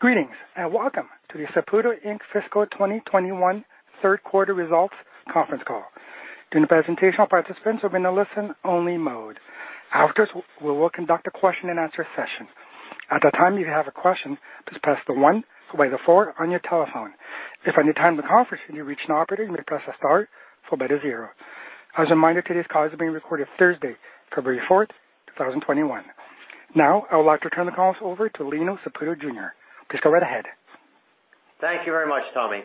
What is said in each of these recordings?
Greetings, and welcome to the Saputo Inc. Fiscal 2021 third quarter results conference call. In the presentation, all participants are in a listen-only mode. Afterwards, we will conduct a question and answer session. At that time, if you have a question, please press the one followed by the four on your telephone. If at any time of the conference you want to reach an operative, you may press the star followed by the zero. As a reminder, today's call is being recorded on Thursday February 4th 2021. Now, I would like to turn the call over to Lino Saputo Jr. Please go right ahead. Thank you very much, Tommy.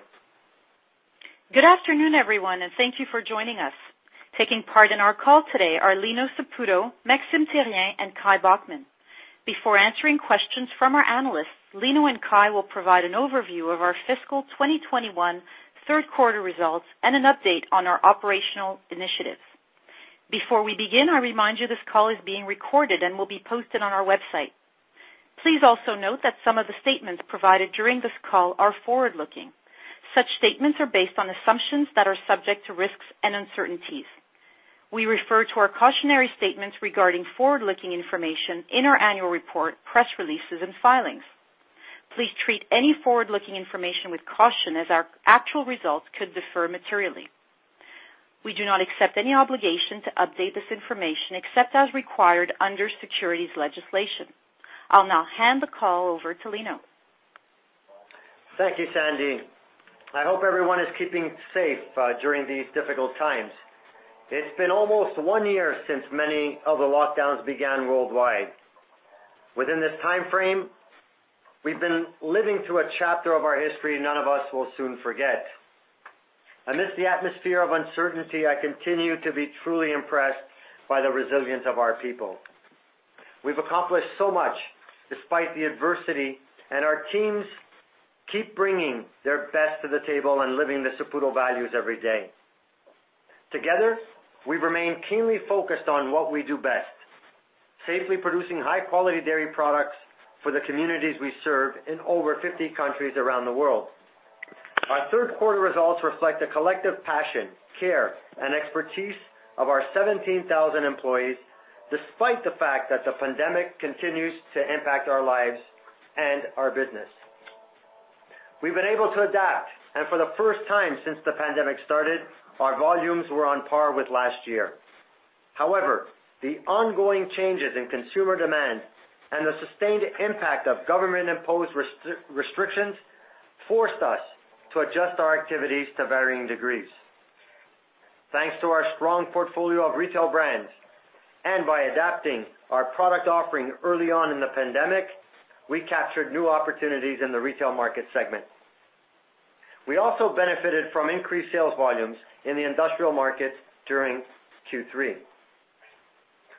Good afternoon, everyone, and thank you for joining us. Taking part in our call today are Lino Saputo, Maxime Therrien, and Kai Bockmann. Before answering questions from our analysts, Lino and Kai will provide an overview of our fiscal 2021 third quarter results and an update on our operational initiatives. Before we begin, I remind you this call is being recorded and will be posted on our website. Please also note that some of the statements provided during this call are forward-looking. Such statements are based on assumptions that are subject to risks and uncertainties. We refer to our cautionary statements regarding forward-looking information in our annual report, press releases, and filings. Please treat any forward-looking information with caution as our actual results could differ materially. We do not accept any obligation to update this information except as required under securities legislation. I'll now hand the call over to Lino. Thank you, Sandy. I hope everyone is keeping safe during these difficult times. It's been almost one year since many of the lockdowns began worldwide. Within this timeframe, we've been living through a chapter of our history none of us will soon forget. Amidst the atmosphere of uncertainty, I continue to be truly impressed by the resilience of our people. We've accomplished so much despite the adversity, and our teams keep bringing their best to the table and living the Saputo values every day. Together, we've remained keenly focused on what we do best, safely producing high-quality dairy products for the communities we serve in over 50 countries around the world. Our third quarter results reflect the collective passion, care, and expertise of our 17,000 employees, despite the fact that the pandemic continues to impact our lives and our business. We've been able to adapt, and for the first time since the pandemic started, our volumes were on par with last year. However, the ongoing changes in consumer demand and the sustained impact of government-imposed restrictions forced us to adjust our activities to varying degrees. Thanks to our strong portfolio of retail brands, and by adapting our product offering early on in the pandemic, we captured new opportunities in the retail market segment. We also benefited from increased sales volumes in the industrial market during Q3.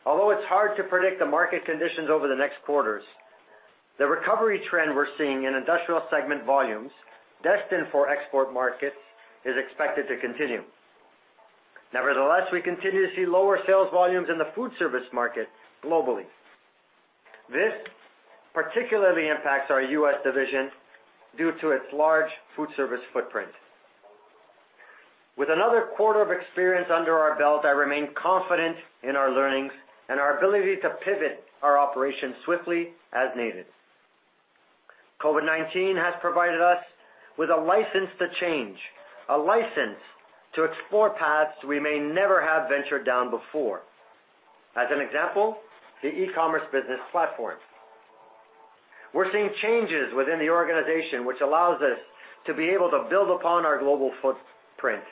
Although it's hard to predict the market conditions over the next quarters, the recovery trend we're seeing in industrial segment volumes destined for export markets is expected to continue. Nevertheless, we continue to see lower sales volumes in the food service market globally. This particularly impacts our U.S. division due to its large food service footprint. With another quarter of experience under our belt, I remain confident in our learnings and our ability to pivot our operations swiftly as needed. COVID-19 has provided us with a license to change, a license to explore paths we may never have ventured down before. As an example, the e-commerce business platform. We're seeing changes within the organization, which allows us to be able to build upon our global footprint,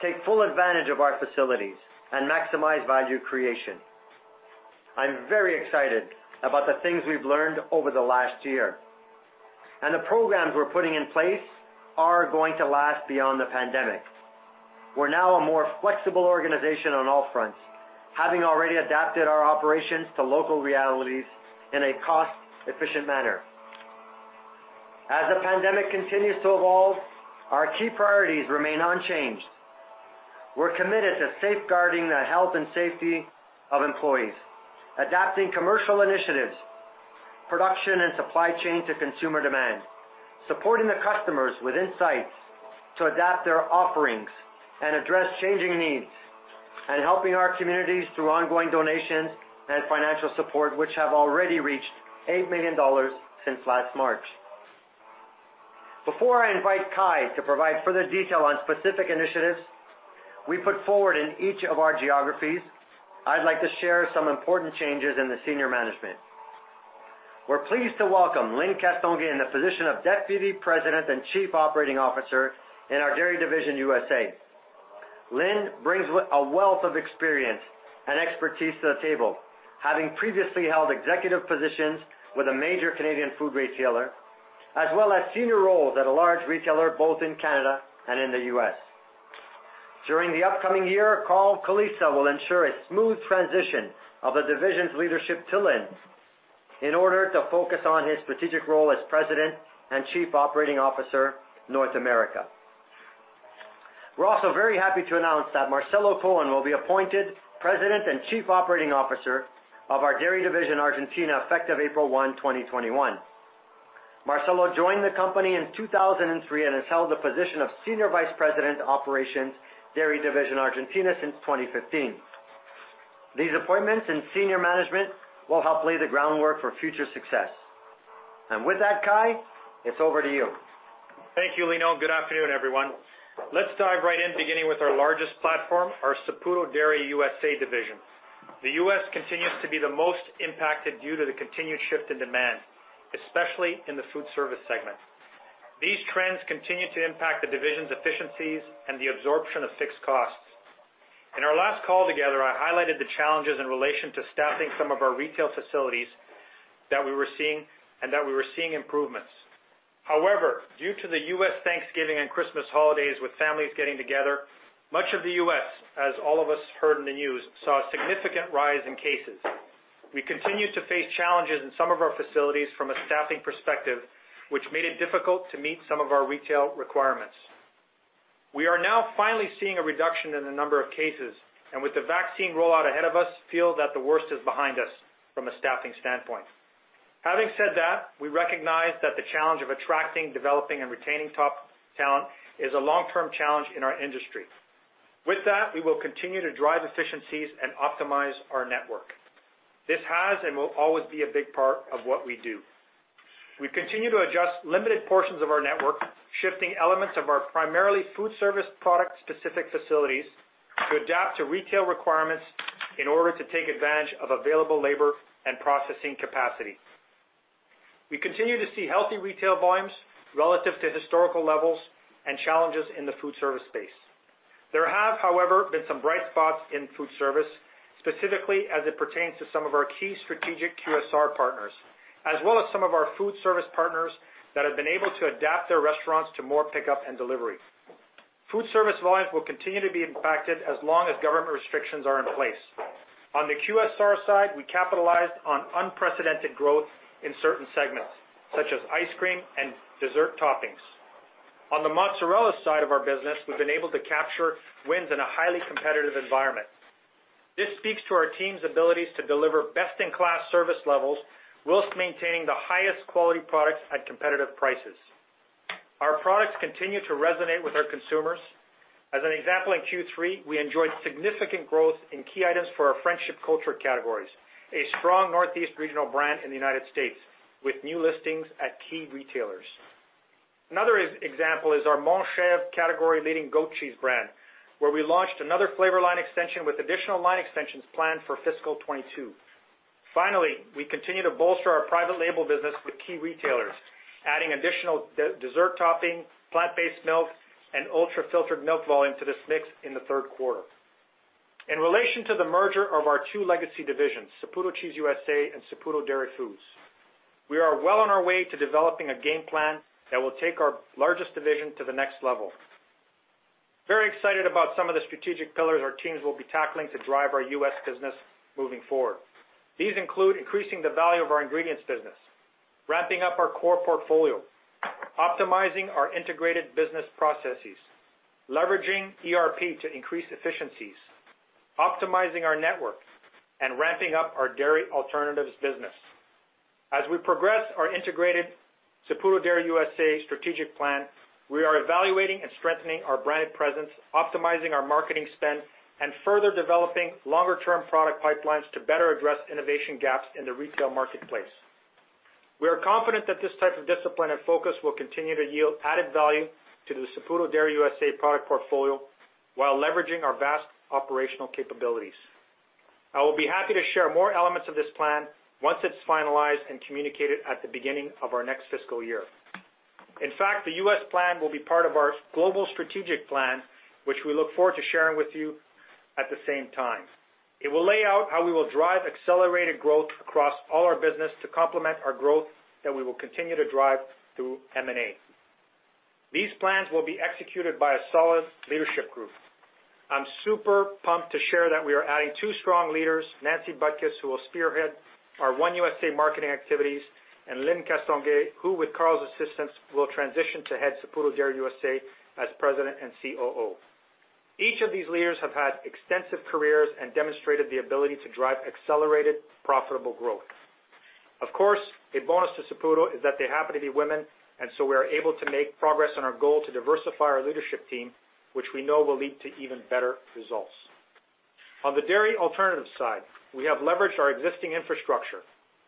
take full advantage of our facilities, and maximize value creation. I'm very excited about the things we've learned over the last year, and the programs we're putting in place are going to last beyond the pandemic. We're now a more flexible organization on all fronts, having already adapted our operations to local realities in a cost-efficient manner. As the pandemic continues to evolve, our key priorities remain unchanged. We're committed to safeguarding the health and safety of employees, adapting commercial initiatives, production and supply chain to consumer demand, supporting the customers with insights to adapt their offerings and address changing needs, and helping our communities through ongoing donations and financial support, which have already reached 8 million dollars since last March. Before I invite Kai to provide further detail on specific initiatives we put forward in each of our geographies, I'd like to share some important changes in the senior management. We're pleased to welcome Lyne Castonguay in the position of Deputy President and Chief Operating Officer in our Dairy Division USA. Lyne brings a wealth of experience and expertise to the table, having previously held executive positions with a major Canadian food retailer, as well as senior roles at a large retailer both in Canada and in the U.S. During the upcoming year, Carl Colizza will ensure a smooth transition of the division's leadership to Lyne in order to focus on his strategic role as President and Chief Operating Officer, North America. We're also very happy to announce that Marcelo Cohen will be appointed President and Chief Operating Officer of our Dairy Division Argentina, effective April 1, 2021. Marcelo joined the company in 2003 and has held the position of Senior Vice President, Operations, Dairy Division Argentina since 2015. These appointments in senior management will help lay the groundwork for future success. With that, Kai, it's over to you. Thank you, Lino. Good afternoon, everyone. Let's dive right in, beginning with our largest platform, our Saputo Dairy USA division. The U.S. continues to be the most impacted due to the continued shift in demand, especially in the food service segment. These trends continue to impact the division's efficiencies and the absorption of fixed costs. In our last call together, I highlighted the challenges in relation to staffing some of our retail facilities that we were seeing, and that we were seeing improvements. However, due to the U.S. Thanksgiving and Christmas holidays with families getting together, much of the U.S., as all of us heard in the news, saw a significant rise in cases. We continue to face challenges in some of our facilities from a staffing perspective, which made it difficult to meet some of our retail requirements. We are now finally seeing a reduction in the number of cases, and with the vaccine rollout ahead of us, feel that the worst is behind us from a staffing standpoint. Having said that, we recognize that the challenge of attracting, developing, and retaining top talent is a long-term challenge in our industry. With that, we will continue to drive efficiencies and optimize our network. This has and will always be a big part of what we do. We continue to adjust limited portions of our network, shifting elements of our primarily food service product-specific facilities to adapt to retail requirements in order to take advantage of available labor and processing capacity. We continue to see healthy retail volumes relative to historical levels and challenges in the food service space. There have, however, been some bright spots in food service, specifically as it pertains to some of our key strategic QSR partners, as well as some of our food service partners that have been able to adapt their restaurants to more pickup and delivery. Food service volumes will continue to be impacted as long as government restrictions are in place. On the QSR side, we capitalized on unprecedented growth in certain segments, such as ice cream and dessert toppings. On the mozzarella side of our business, we've been able to capture wins in a highly competitive environment. This speaks to our teams' abilities to deliver best-in-class service levels whilst maintaining the highest quality products at competitive prices. Our products continue to resonate with our consumers. As an example, in Q3, we enjoyed significant growth in key items for our Friendship culture categories, a strong Northeast regional brand in the United States with new listings at key retailers. Another example is our Montchevre category-leading goat cheese brand, where we launched another flavor line extension with additional line extensions planned for fiscal 2022. Finally, we continue to bolster our private label business with key retailers, adding additional dessert topping, plant-based milk, and ultra-filtered milk volume to this mix in the third quarter. In relation to the merger of our two legacy divisions, Saputo Cheese USA and Saputo Dairy Foods, we are well on our way to developing a game plan that will take our largest division to the next level. Very excited about some of the strategic pillars our teams will be tackling to drive our U.S. business moving forward. These include increasing the value of our ingredients business, ramping up our core portfolio, optimizing our integrated business processes, leveraging ERP to increase efficiencies, optimizing our network, and ramping up our dairy alternatives business. As we progress our integrated Saputo Dairy USA strategic plan, we are evaluating and strengthening our brand presence, optimizing our marketing spend, and further developing longer-term product pipelines to better address innovation gaps in the retail marketplace. We are confident that this type of discipline and focus will continue to yield added value to the Saputo Dairy USA product portfolio while leveraging our vast operational capabilities. I will be happy to share more elements of this plan once it's finalized and communicated at the beginning of our next fiscal year. In fact, the U.S. plan will be part of our global strategic plan, which we look forward to sharing with you at the same time. It will lay out how we will drive accelerated growth across all our business to complement our growth that we will continue to drive through M&A. These plans will be executed by a solid leadership group. I'm super pumped to share that we are adding two strong leaders, Nancy Butkus, who will spearhead our One USA marketing activities, and Lyne Castonguay, who, with Carl's assistance, will transition to head Saputo Dairy USA as President and COO. Each of these leaders have had extensive careers and demonstrated the ability to drive accelerated, profitable growth. Of course, a bonus to Saputo is that they happen to be women, and so we are able to make progress on our goal to diversify our leadership team, which we know will lead to even better results. On the dairy alternative side, we have leveraged our existing infrastructure,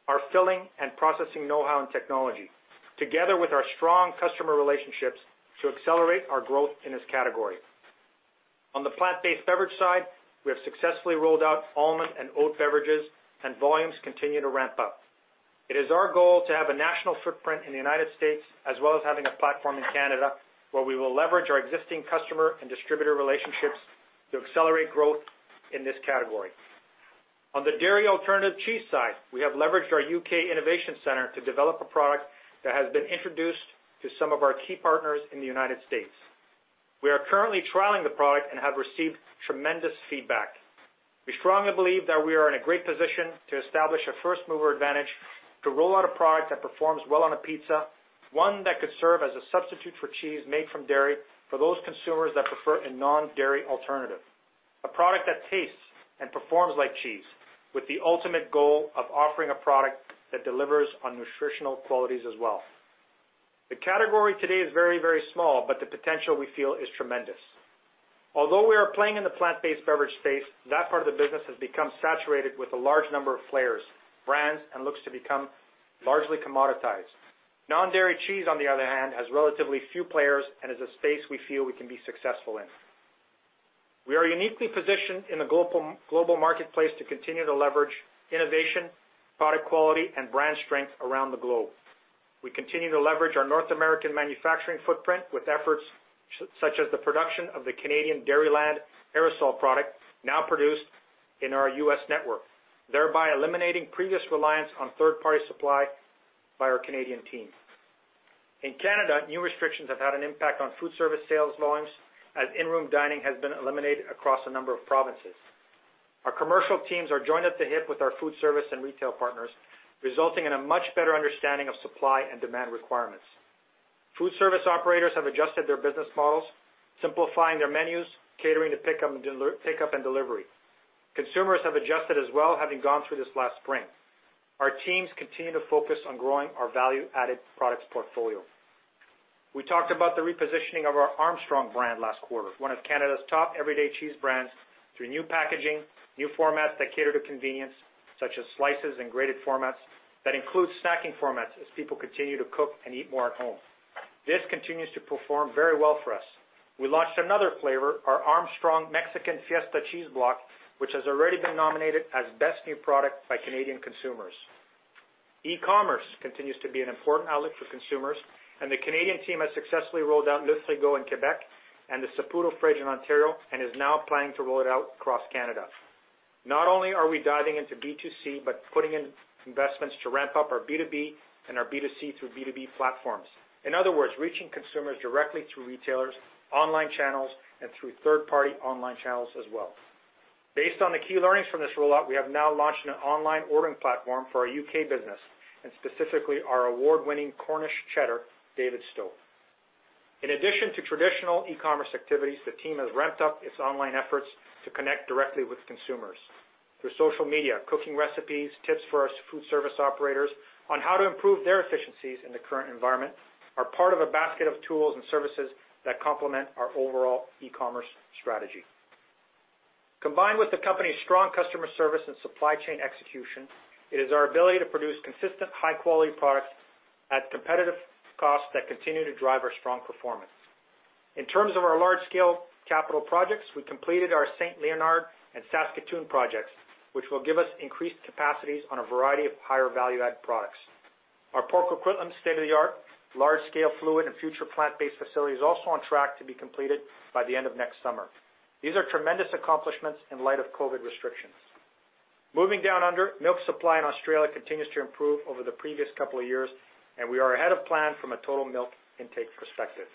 our filling and processing know-how and technology, together with our strong customer relationships, to accelerate our growth in this category. On the plant-based beverage side, we have successfully rolled out almond and oat beverages, and volumes continue to ramp up. It is our goal to have a national footprint in the United States, as well as having a platform in Canada, where we will leverage our existing customer and distributor relationships to accelerate growth in this category. On the dairy alternative cheese side, we have leveraged our U.K. innovation center to develop a product that has been introduced to some of our key partners in the United States. We are currently trialing the product and have received tremendous feedback. We strongly believe that we are in a great position to establish a first-mover advantage to roll out a product that performs well on a pizza, one that could serve as a substitute for cheese made from dairy for those consumers that prefer a non-dairy alternative. A product that tastes and performs like cheese with the ultimate goal of offering a product that delivers on nutritional qualities as well. The category today is very, very small, but the potential, we feel, is tremendous. Although we are playing in the plant-based beverage space, that part of the business has become saturated with a large number of players, brands, and looks to become largely commoditized. Non-dairy cheese, on the other hand, has relatively few players and is a space we feel we can be successful in. We are uniquely positioned in the global marketplace to continue to leverage innovation, product quality, and brand strength around the globe. We continue to leverage our North American manufacturing footprint with efforts such as the production of the Canadian Dairyland aerosol product, now produced in our U.S. network, thereby eliminating previous reliance on third-party supply by our Canadian team. In Canada, new restrictions have had an impact on food service sales volumes, as in-room dining has been eliminated across a number of provinces. Our commercial teams are joined at the hip with our food service and retail partners, resulting in a much better understanding of supply and demand requirements. Food service operators have adjusted their business models, simplifying their menus, catering to pickup and delivery. Consumers have adjusted as well, having gone through this last spring. Our teams continue to focus on growing our value-added products portfolio. We talked about the repositioning of our Armstrong brand last quarter, one of Canada's top everyday cheese brands, through new packaging, new formats that cater to convenience, such as slices and grated formats, that includes snacking formats as people continue to cook and eat more at home. This continues to perform very well for us. We launched another flavor, our Armstrong Mexican Fiesta cheese block, which has already been nominated as best new product by Canadian consumers. E-commerce continues to be an important outlet for consumers, and the Canadian team has successfully rolled out Lait's Go in Quebec, and The Saputo Fridge in Ontario, and is now planning to roll it out across Canada. Not only are we diving into B2C, but putting in investments to ramp up our B2B and our B2C through B2B platforms. In other words, reaching consumers directly through retailers, online channels, and through third-party online channels as well. Based on the key learnings from this rollout, we have now launched an online ordering platform for our U.K. business, and specifically our award-winning Cornish cheddar, Davidstow. In addition to traditional e-commerce activities, the team has ramped up its online efforts to connect directly with consumers through social media. Cooking recipes, tips for our food service operators on how to improve their efficiencies in the current environment are part of a basket of tools and services that complement our overall e-commerce strategy. Combined with the company's strong customer service and supply chain execution, it is our ability to produce consistent high-quality products at competitive costs that continue to drive our strong performance. In terms of our large-scale capital projects, we completed our St-Leonard and Saskatoon projects, which will give us increased capacities on a variety of higher value-added products. Our Port Coquitlam state-of-the-art large-scale fluid and future plant-based facility is also on track to be completed by the end of next summer. These are tremendous accomplishments in light of COVID restrictions. Moving down under, milk supply in Australia continues to improve over the previous couple of years, and we are ahead of plan from a total milk intake perspective.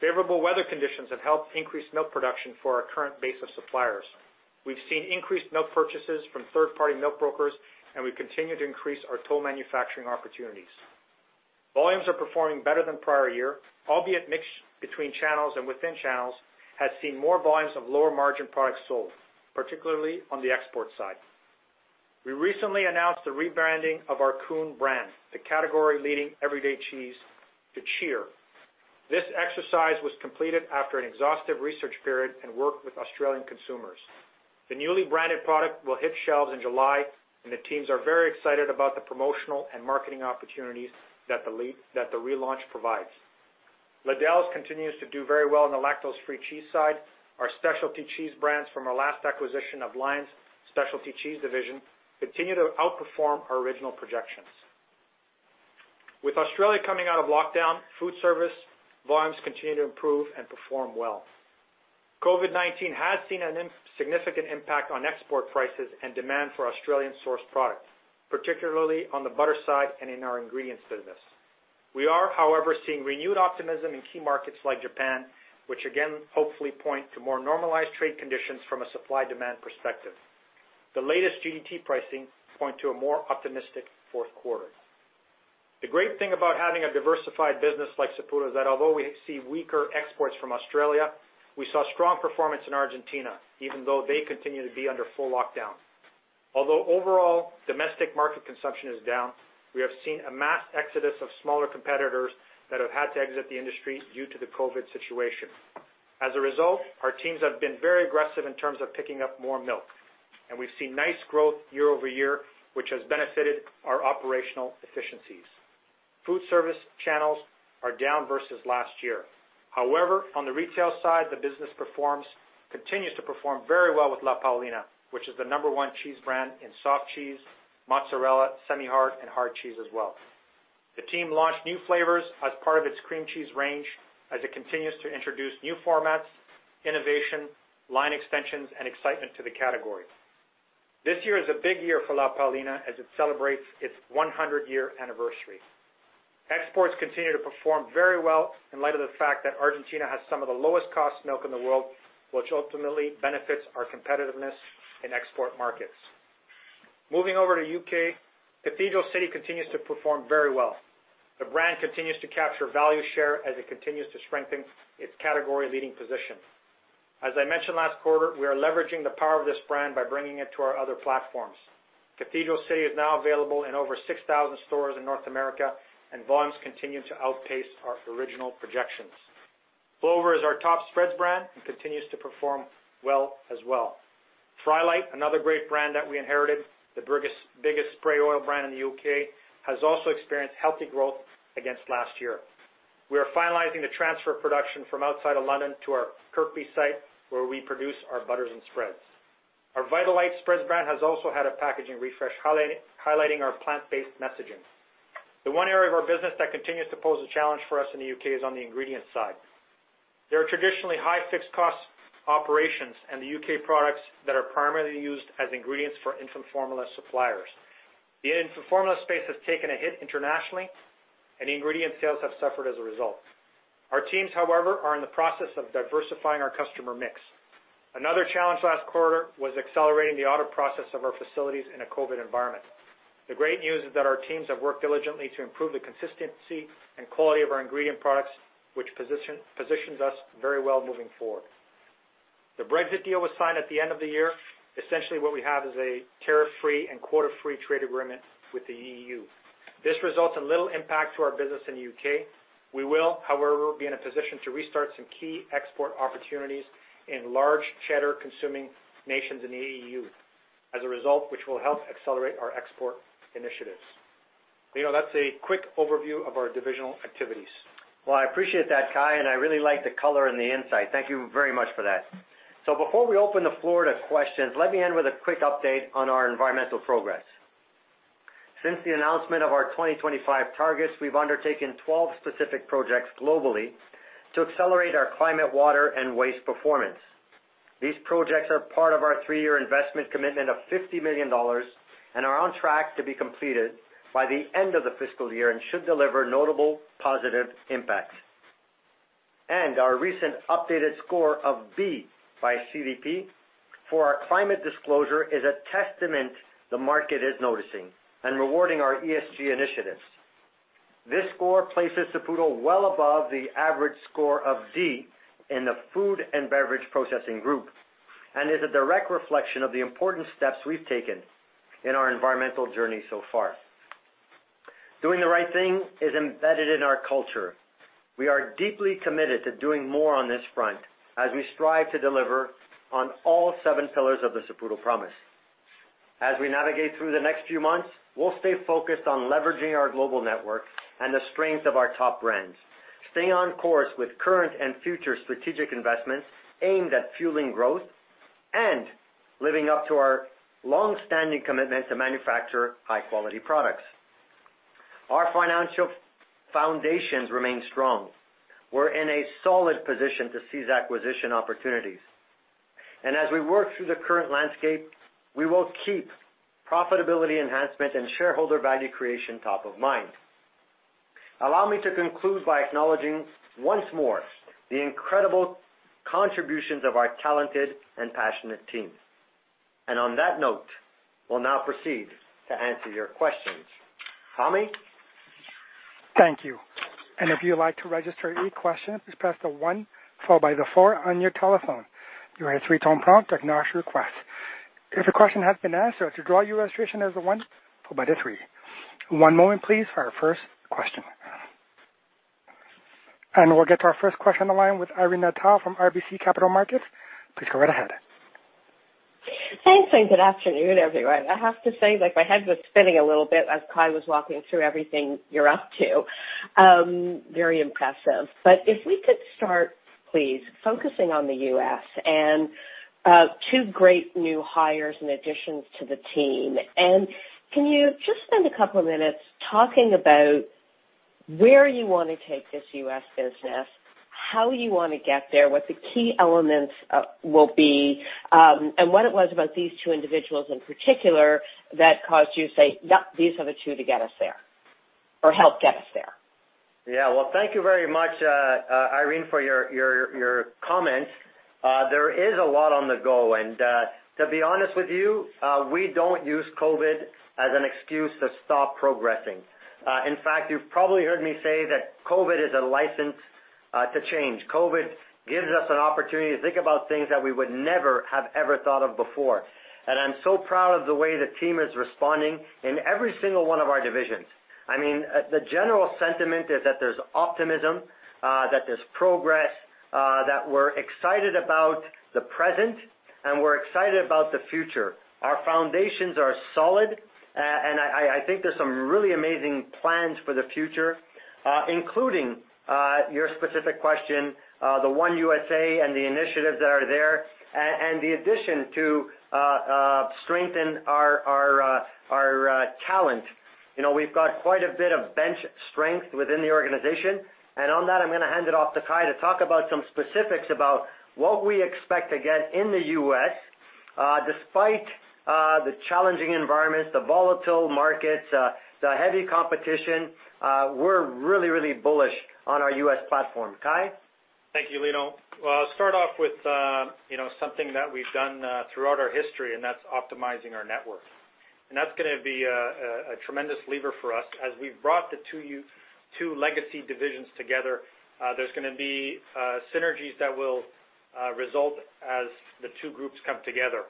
Favorable weather conditions have helped increase milk production for our current base of suppliers. We've seen increased milk purchases from third-party milk brokers, and we continue to increase our toll manufacturing opportunities. Volumes are performing better than prior year, albeit mix between channels and within channels has seen more volumes of lower-margin products sold, particularly on the export side. We recently announced the rebranding of our Coon brand, the category-leading everyday cheese, to CHEER. This exercise was completed after an exhaustive research period and work with Australian consumers. The newly branded product will hit shelves in July, and the teams are very excited about the promotional and marketing opportunities that the relaunch provides. Liddells continues to do very well in the lactose-free cheese side. Our specialty cheese brands from our last acquisition of Lion's Specialty Cheese division continue to outperform our original projections. With Australia coming out of lockdown, food service volumes continue to improve and perform well. COVID-19 has seen a significant impact on export prices and demand for Australian-sourced products, particularly on the butter side and in our ingredients business. We are, however, seeing renewed optimism in key markets like Japan, which again, hopefully point to more normalized trade conditions from a supply-demand perspective. The latest GDT pricing point to a more optimistic fourth quarter. The great thing about having a diversified business like Saputo is that although we see weaker exports from Australia, we saw strong performance in Argentina, even though they continue to be under full lockdown. Overall domestic market consumption is down, we have seen a mass exodus of smaller competitors that have had to exit the industry due to the COVID situation. Our teams have been very aggressive in terms of picking up more milk, and we've seen nice growth year-over-year, which has benefited our operational efficiencies. Food service channels are down versus last year. On the retail side, the business continues to perform very well with La Paulina, which is the number one cheese brand in soft cheese, mozzarella, semi-hard, and hard cheese as well. The team launched new flavors as part of its cream cheese range as it continues to introduce new formats, innovation, line extensions, and excitement to the category. This year is a big year for La Paulina as it celebrates its 100-year anniversary. Exports continue to perform very well in light of the fact that Argentina has some of the lowest-cost milk in the world, which ultimately benefits our competitiveness in export markets. Moving over to U.K., Cathedral City continues to perform very well. The brand continues to capture value share as it continues to strengthen its category-leading position. As I mentioned last quarter, we are leveraging the power of this brand by bringing it to our other platforms. Cathedral City is now available in over 6,000 stores in North America, and volumes continue to outpace our original projections. Clover is our top spreads brand and continues to perform well as well. Frylight, another great brand that we inherited, the biggest spray oil brand in the U.K., has also experienced healthy growth against last year. We are finalizing the transfer of production from outside of London to our Kirkby site, where we produce our butters and spreads. Our Vitalite spreads brand has also had a packaging refresh, highlighting our plant-based messaging. The one area of our business that continues to pose a challenge for us in the U.K. is on the ingredients side. There are traditionally high fixed cost operations and the U.K. products that are primarily used as ingredients for infant formula suppliers. The infant formula space has taken a hit internationally, and ingredient sales have suffered as a result. Our teams, however, are in the process of diversifying our customer mix. Another challenge last quarter was accelerating the auto process of our facilities in a COVID environment. The great news is that our teams have worked diligently to improve the consistency and quality of our ingredient products, which positions us very well moving forward. The Brexit deal was signed at the end of the year. Essentially, what we have is a tariff-free and quota-free trade agreement with the EU. This results in little impact to our business in the U.K. We will, however, be in a position to restart some key export opportunities in large cheddar-consuming nations in the EU as a result, which will help accelerate our export initiatives. Lino, that's a quick overview of our divisional activities. Well, I appreciate that, Kai, and I really like the color and the insight. Thank you very much for that. Before we open the floor to questions, let me end with a quick update on our environmental progress. Since the announcement of our 2025 targets, we've undertaken 12 specific projects globally to accelerate our climate, water, and waste performance. These projects are part of our three-year investment commitment of 50 million dollars and are on track to be completed by the end of the fiscal year and should deliver notable positive impacts. Our recent updated score of B by CDP for our climate disclosure is a testament the market is noticing and rewarding our ESG initiatives. This score places Saputo well above the average score of D in the food and beverage processing group and is a direct reflection of the important steps we've taken in our environmental journey so far. Doing the right thing is embedded in our culture. We are deeply committed to doing more on this front as we strive to deliver on all seven pillars of the Saputo promise. As we navigate through the next few months, we'll stay focused on leveraging our global network and the strength of our top brands, stay on course with current and future strategic investments aimed at fueling growth, and living up to our longstanding commitment to manufacture high-quality products. Our financial foundations remain strong. We're in a solid position to seize acquisition opportunities. As we work through the current landscape, we will keep profitability enhancement and shareholder value creation top of mind. Allow me to conclude by acknowledging once more the incredible contributions of our talented and passionate teams. On that note, we'll now proceed to answer your questions. Tommy? Thank you. If you would like to register a question, please press the one followed by the four on your telephone. If the question has been answered, to withdraw your question, press one followed by the three. One moment please, our first question. We'll get to our first question in the line with Irene Nattel from RBC Capital Markets. Please go right ahead. Thanks, good afternoon, everyone. I have to say, my head was spinning a little bit as Kai was walking through everything you're up to. Very impressive. If we could start, please, focusing on the U.S. and two great new hires and additions to the team. Can you just spend a couple of minutes talking about where you want to take this U.S. business, how you want to get there, what the key elements will be, and what it was about these two individuals in particular that caused you to say, "Yep, these are the two to get us there or help get us there. Well, thank you very much, Irene, for your comments. There is a lot on the go. To be honest with you, we don't use COVID as an excuse to stop progressing. In fact, you've probably heard me say that COVID is a license to change. COVID gives us an opportunity to think about things that we would never have ever thought of before. I'm so proud of the way the team is responding in every single one of our divisions. I mean, the general sentiment is that there's optimism, that there's progress, that we're excited about the present, and we're excited about the future. Our foundations are solid, and I think there's some really amazing plans for the future, including your specific question, the One USA and the initiatives that are there, and the addition to strengthen our talent. We've got quite a bit of bench strength within the organization. On that, I'm going to hand it off to Kai to talk about some specifics about what we expect to get in the U.S. Despite the challenging environments, the volatile markets, the heavy competition, we're really, really bullish on our U.S. platform. Kai? Thank you, Lino. I'll start off with something that we've done throughout our history, and that's optimizing our network. That's going to be a tremendous lever for us as we've brought the two legacy divisions together. There's going to be synergies that will result as the two groups come together.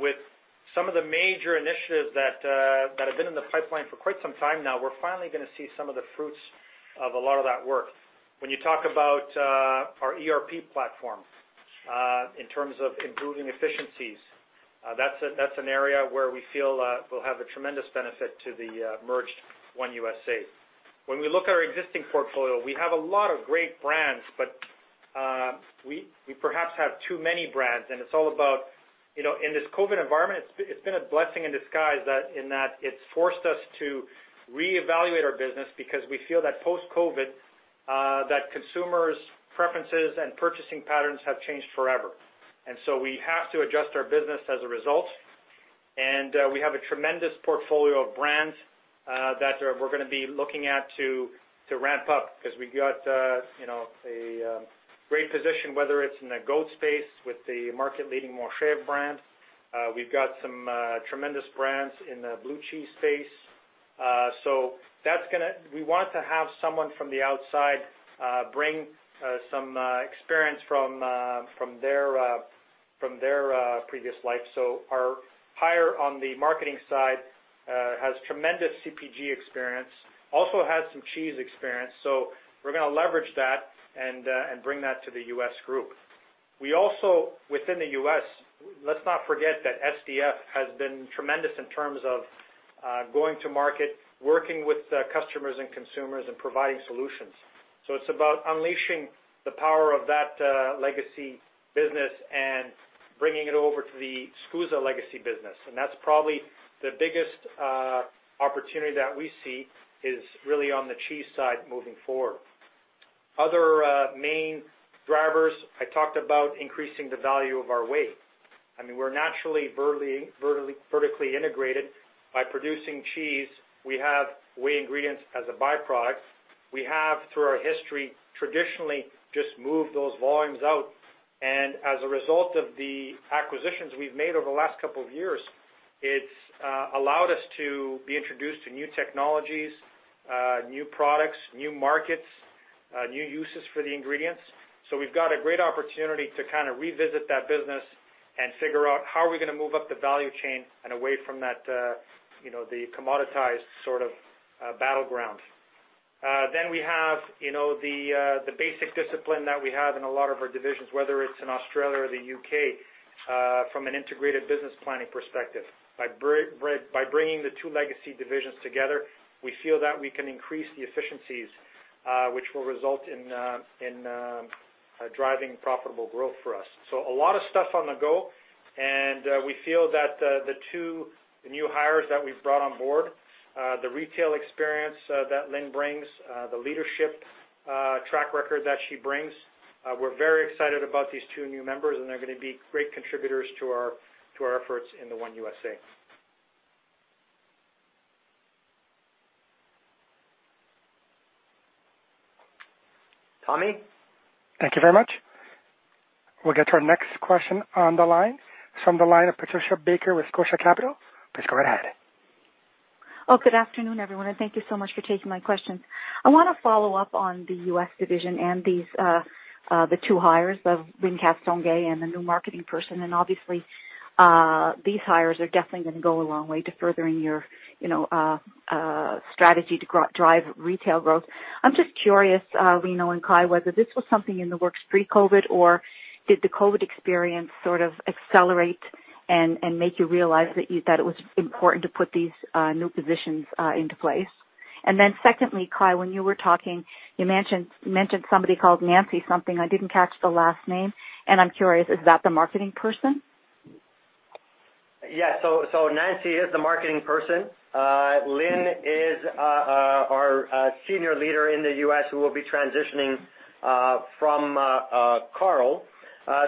With some of the major initiatives that have been in the pipeline for quite some time now, we're finally going to see some of the fruits of a lot of that work. When you talk about our ERP platform, in terms of improving efficiencies, that's an area where we feel will have a tremendous benefit to the merged One USA. When we look at our existing portfolio, we have a lot of great brands, but we perhaps have too many brands, and it's all about, in this COVID environment, it's been a blessing in disguise in that it's forced us to reevaluate our business because we feel that post-COVID, that consumers' preferences and purchasing patterns have changed forever. We have to adjust our business as a result. We have a tremendous portfolio of brands that we're going to be looking at to ramp up, because we've got a great position, whether it's in the goat space with the market-leading Montchevre brand. We've got some tremendous brands in the blue cheese space. We want to have someone from the outside bring some experience from their previous life. Our hire on the marketing side has tremendous CPG experience, also has some cheese experience. We're going to leverage that and bring that to the U.S. group. We also, within the U.S., let's not forget that SDF has been tremendous in terms of going to market, working with customers and consumers, and providing solutions. It's about unleashing the power of that legacy business and bringing it over to the SCUSA legacy business. That's probably the biggest opportunity that we see is really on the cheese side moving forward. Other main drivers, I talked about increasing the value of our whey. We're naturally vertically integrated by producing cheese. We have whey ingredients as a byproduct. We have, through our history, traditionally just moved those volumes out, and as a result of the acquisitions we've made over the last couple of years, it's allowed us to be introduced to new technologies, new products, new markets, new uses for the ingredients. We've got a great opportunity to kind of revisit that business and figure out how are we going to move up the value chain and away from the commoditized sort of battleground. We have the basic discipline that we have in a lot of our divisions, whether it's in Australia or the U.K., from an integrated business planning perspective. By bringing the two legacy divisions together, we feel that we can increase the efficiencies, which will result in driving profitable growth for us. A lot of stuff on the go, and we feel that the two new hires that we've brought on board, the retail experience that Lyne brings, the leadership track record that she brings, we're very excited about these two new members, and they're going to be great contributors to our efforts in the One USA. Tommy? Thank you very much. We'll get to our next question on the line. It's from the line of Patricia Baker with Scotia Capital. Please go right ahead. Good afternoon, everyone. Thank you so much for taking my questions. I want to follow up on the U.S. division and the two hires of Lyne Castonguay and the new marketing person. Obviously, these hires are definitely going to go a long way to furthering your strategy to drive retail growth. I'm just curious, Lino and Kai, whether this was something in the works pre-COVID. Did the COVID experience sort of accelerate and make you realize that it was important to put these new positions into place? Then secondly, Kai, when you were talking, you mentioned somebody called Nancy something. I didn't catch the last name. I'm curious, is that the marketing person? Yeah. Nancy is the marketing person. Lyne is our senior leader in the U.S. who will be transitioning from Carl.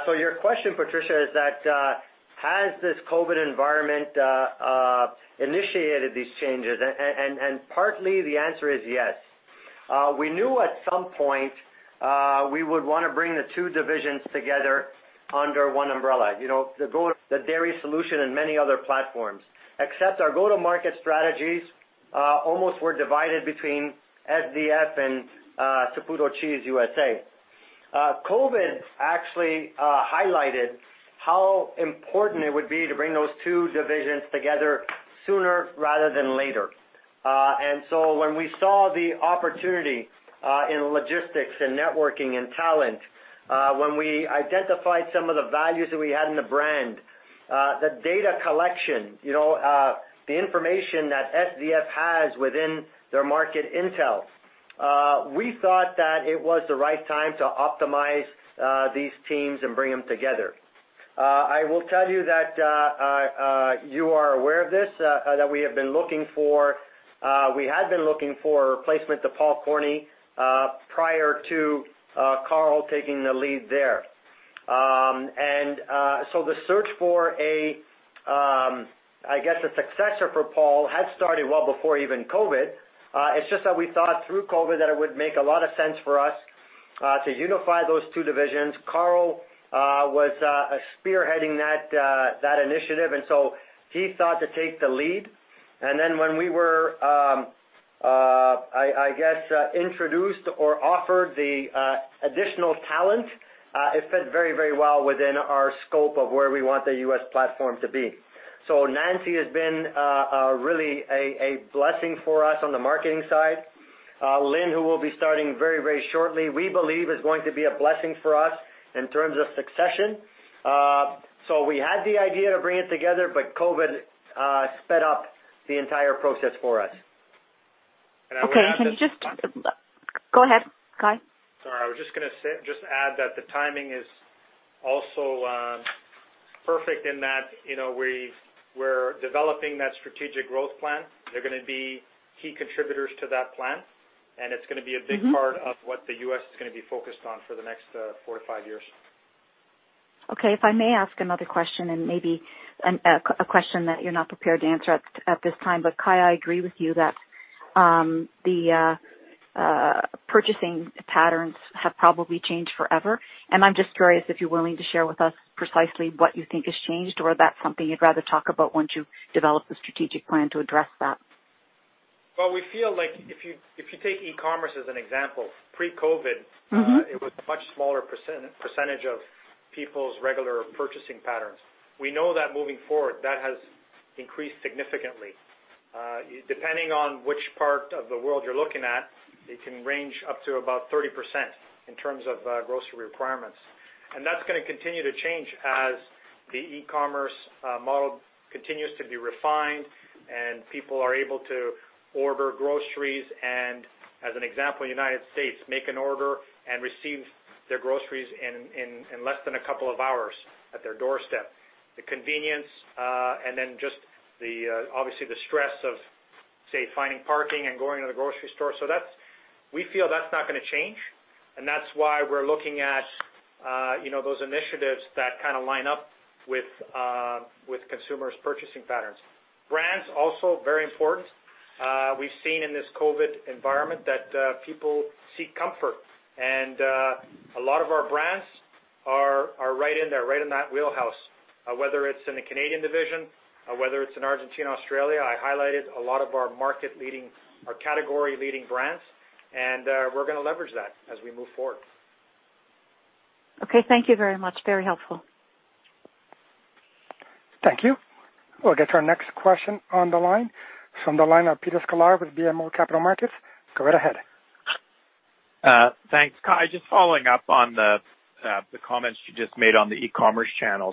Your question, Patricia, is that has this COVID environment initiated these changes? Partly the answer is yes. We knew at some point we would want to bring the two divisions together under one umbrella. The dairy solution and many other platforms. Except our go-to market strategies almost were divided between SDF and Saputo Cheese USA. COVID actually highlighted how important it would be to bring those two divisions together sooner rather than later. When we saw the opportunity in logistics and networking and talent, when we identified some of the values that we had in the brand, the data collection, the information that SDF has within their market intel, we thought that it was the right time to optimize these teams and bring them together. I will tell you that you are aware of this, that we had been looking for a replacement to Paul Corney prior to Carl taking the lead there. The search for, I guess, a successor for Paul had started well before even COVID. It's just that we thought through COVID that it would make a lot of sense for us. To unify those two divisions. Carl was spearheading that initiative. He thought to take the lead. When we were, I guess, introduced or offered the additional talent, it fit very well within our scope of where we want the U.S. platform to be. Nancy has been really a blessing for us on the marketing side. Lyne, who will be starting very shortly, we believe, is going to be a blessing for us in terms of succession. We had the idea to bring it together, but COVID sped up the entire process for us. And I would add that- Okay. Can you just Go ahead, Kai. Sorry. I was just going to add that the timing is also perfect in that we're developing that strategic growth plan. They're going to be key contributors to that plan, and it's going to be a big part of what the U.S. is going to be focused on for the next four to five years. Okay. If I may ask another question and maybe a question that you're not prepared to answer at this time. Kai, I agree with you that the purchasing patterns have probably changed forever, and I'm just curious if you're willing to share with us precisely what you think has changed, or that's something you'd rather talk about once you develop the strategic plan to address that. Well, we feel like if you take e-commerce as an example, pre-COVID. It was a much smaller percentage of people's regular purchasing patterns. We know that moving forward, that has increased significantly. Depending on which part of the world you're looking at, it can range up to about 30% in terms of grocery requirements. That's going to continue to change as the e-commerce model continues to be refined and people are able to order groceries and, as an example, U.S., make an order and receive their groceries in less than a couple of hours at their doorstep. The convenience, and then just obviously the stress of, say, finding parking and going to the grocery store. We feel that's not going to change, and that's why we're looking at those initiatives that kind of line up with consumers' purchasing patterns. Brands also very important. We've seen in this COVID environment that people seek comfort, and a lot of our brands are right in there, right in that wheelhouse whether it's in the Canadian division, or whether it's in Argentina or Australia. I highlighted a lot of our category-leading brands, and we're going to leverage that as we move forward. Okay. Thank you very much. Very helpful. Thank you. We'll get to our next question on the line. From the line of Peter Sklar with BMO Capital Markets. Go right ahead. Thanks. Kai, just following up on the comments you just made on the e-commerce channel.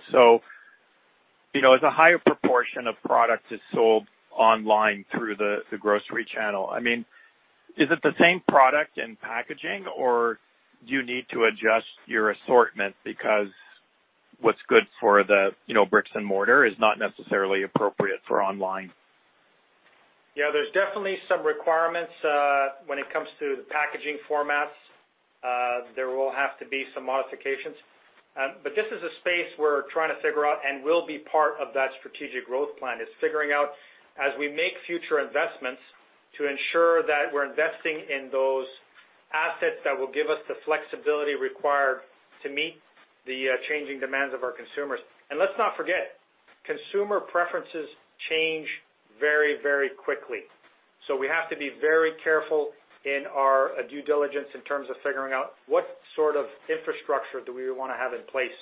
As a higher proportion of product is sold online through the grocery channel, is it the same product and packaging, or do you need to adjust your assortment because what's good for the bricks and mortar is not necessarily appropriate for online? Yeah, there's definitely some requirements when it comes to the packaging formats. There will have to be some modifications. This is a space we're trying to figure out and will be part of that strategic growth plan. Is figuring out, as we make future investments, to ensure that we're investing in those assets that will give us the flexibility required to meet the changing demands of our consumers. Let's not forget, consumer preferences change very quickly. We have to be very careful in our due diligence in terms of figuring out what sort of infrastructure do we want to have in place.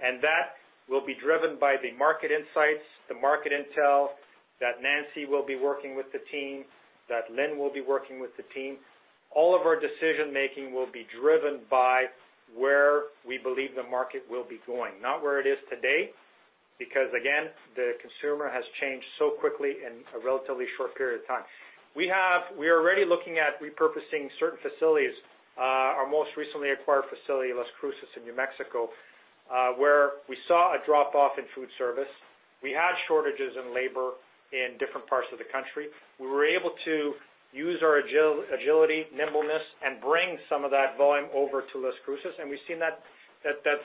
That will be driven by the market insights, the market intel, that Nancy will be working with the team, that Lyne will be working with the team. All of our decision-making will be driven by where we believe the market will be going, not where it is today, because again, the consumer has changed so quickly in a relatively short period of time. We are already looking at repurposing certain facilities. Our most recently acquired facility, Las Cruces in New Mexico, where we saw a drop-off in food service. We had shortages in labor in different parts of the country. We were able to use our agility, nimbleness, and bring some of that volume over to Las Cruces, and we've seen that's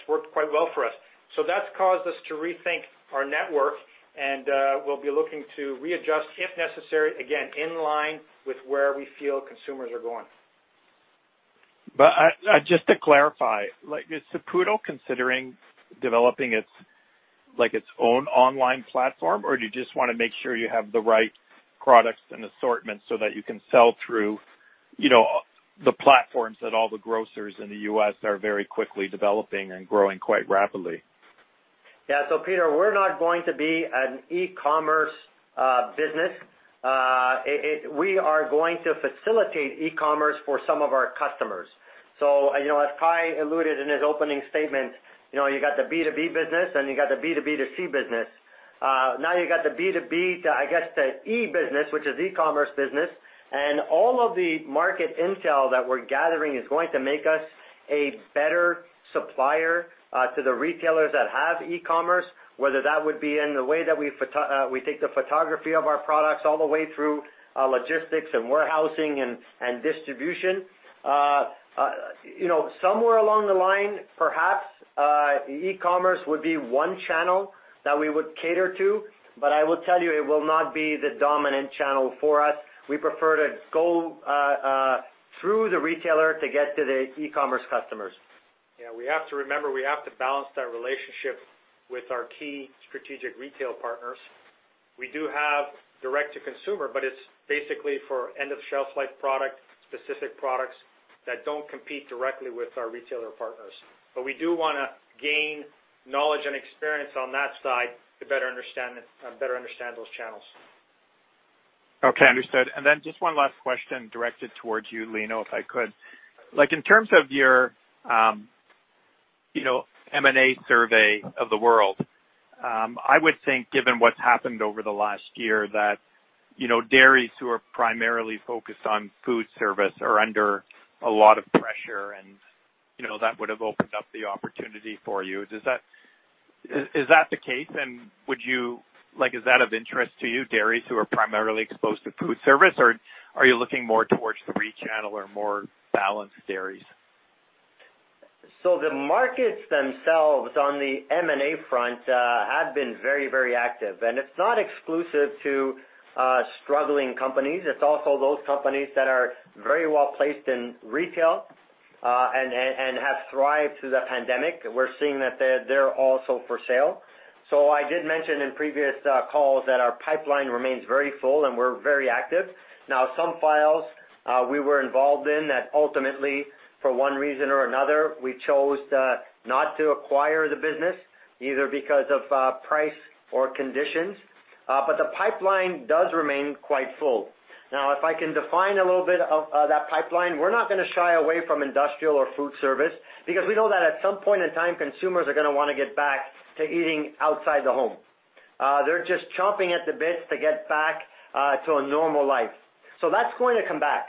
worked quite well for us. That's caused us to rethink our network, and we'll be looking to readjust if necessary, again, in line with where we feel consumers are going. Just to clarify, is Saputo considering developing its own online platform, or do you just want to make sure you have the right products and assortment so that you can sell through the platforms that all the grocers in the U.S. are very quickly developing and growing quite rapidly? Yeah. Peter, we're not going to be an e-commerce business. We are going to facilitate e-commerce for some of our customers. As Kai alluded in his opening statement, you got the B2B business, and you got the B2B2C business. Now you got the B2B to, I guess, the E business, which is e-commerce business, and all of the market intel that we're gathering is going to make us a better supplier to the retailers that have e-commerce, whether that would be in the way that we take the photography of our products all the way through logistics and warehousing and distribution. Somewhere along the line, perhaps, e-commerce would be one channel that we would cater to, I will tell you, it will not be the dominant channel for us. We prefer to go through the retailer to get to the e-commerce customers. Yeah, we have to remember, we have to balance that relationship with our key strategic retail partners. We do have direct-to-consumer, but it's basically for end-of-shelf-life product, specific products that don't compete directly with our retailer partners. We do want to gain knowledge and experience on that side to better understand those channels. Okay, understood. Just one last question directed towards you, Lino, if I could. In terms of your M&A survey of the world, I would think given what's happened over the last year that dairies who are primarily focused on food service are under a lot of pressure and that would have opened up the opportunity for you. Is that the case and is that of interest to you, dairies who are primarily exposed to food service or are you looking more towards three channel or more balanced dairies? The markets themselves on the M&A front have been very active and it's not exclusive to struggling companies. It's also those companies that are very well-placed in retail and have thrived through the pandemic. We're seeing that they're also for sale. I did mention in previous calls that our pipeline remains very full and we're very active. Some files we were involved in that ultimately for one reason or another, we chose not to acquire the business either because of price or conditions. The pipeline does remain quite full. If I can define a little bit of that pipeline, we're not going to shy away from industrial or food service because we know that at some point in time, consumers are going to want to get back to eating outside the home. They're just chomping at the bits to get back to a normal life. That's going to come back.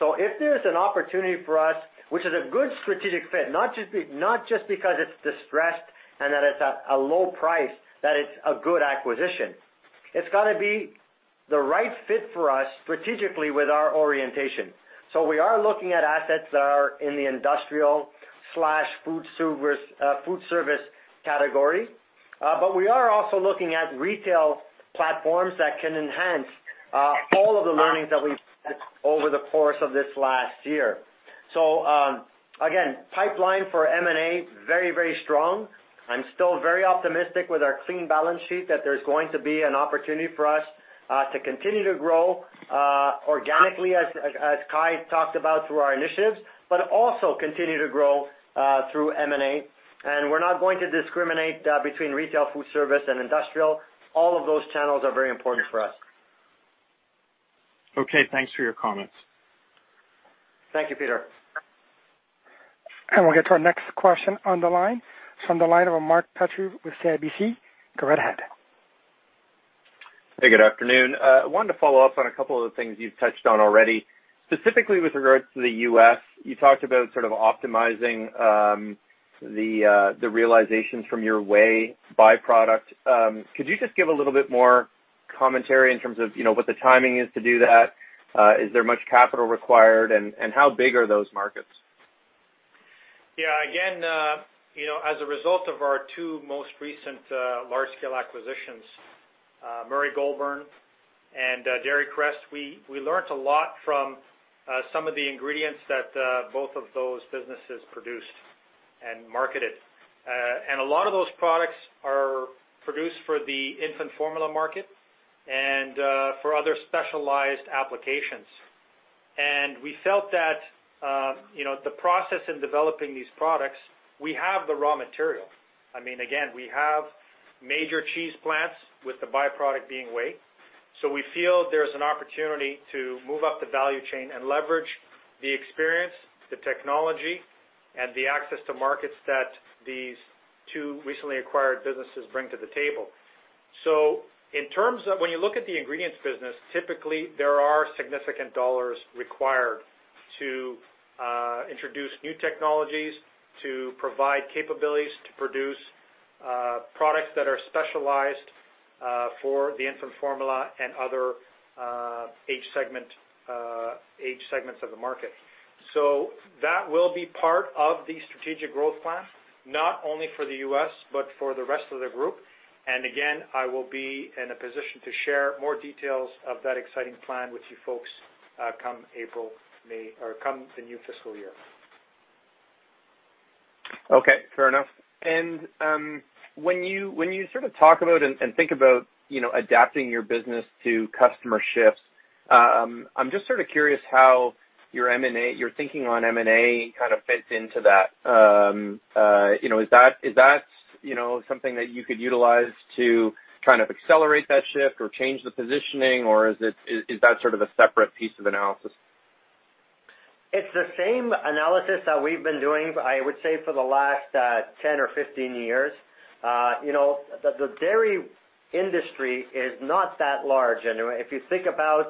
If there's an opportunity for us, which is a good strategic fit, not just because it's distressed and that it's a low price, that it's a good acquisition. It's got to be the right fit for us strategically with our orientation. We are looking at assets that are in the industrial/food service category. We are also looking at retail platforms that can enhance all of the learnings that we've had over the course of this last year. Again, pipeline for M&A, very strong. I'm still very optimistic with our clean balance sheet that there's going to be an opportunity for us to continue to grow organically as Kai talked about through our initiatives, but also continue to grow through M&A. We're not going to discriminate between retail food service and industrial. All of those channels are very important for us. Okay, thanks for your comments. Thank you, Peter. We'll get to our next question on the line. It's from the line of Mark Petrie with CIBC. Go right ahead. Hey, good afternoon. I wanted to follow up on a couple of the things you've touched on already, specifically with regards to the U.S. You talked about sort of optimizing the realizations from your whey byproduct. Could you just give a little bit more commentary in terms of what the timing is to do that? Is there much capital required and how big are those markets? As a result of our two most recent large-scale acquisitions, Murray Goulburn and Dairy Crest, we learned a lot from some of the ingredients that both of those businesses produced and marketed. A lot of those products are produced for the infant formula market and for other specialized applications. We felt that the process in developing these products, we have the raw material. Again, we have major cheese plants with the byproduct being whey. We feel there's an opportunity to move up the value chain and leverage the experience, the technology, and the access to markets that these two recently acquired businesses bring to the table. When you look at the ingredients business, typically there are significant dollars required to introduce new technologies, to provide capabilities to produce products that are specialized for the infant formula and other age segments of the market. That will be part of the strategic growth plan, not only for the U.S., but for the rest of the group. Again, I will be in a position to share more details of that exciting plan with you folks come April, May or come the new fiscal year. Okay, fair enough. When you talk about and think about adapting your business to customer shifts, I'm just curious how your thinking on M&A fits into that. Is that something that you could utilize to accelerate that shift or change the positioning or is that a separate piece of analysis? It's the same analysis that we've been doing, I would say for the last 10 or 15 years. The dairy industry is not that large. If you think about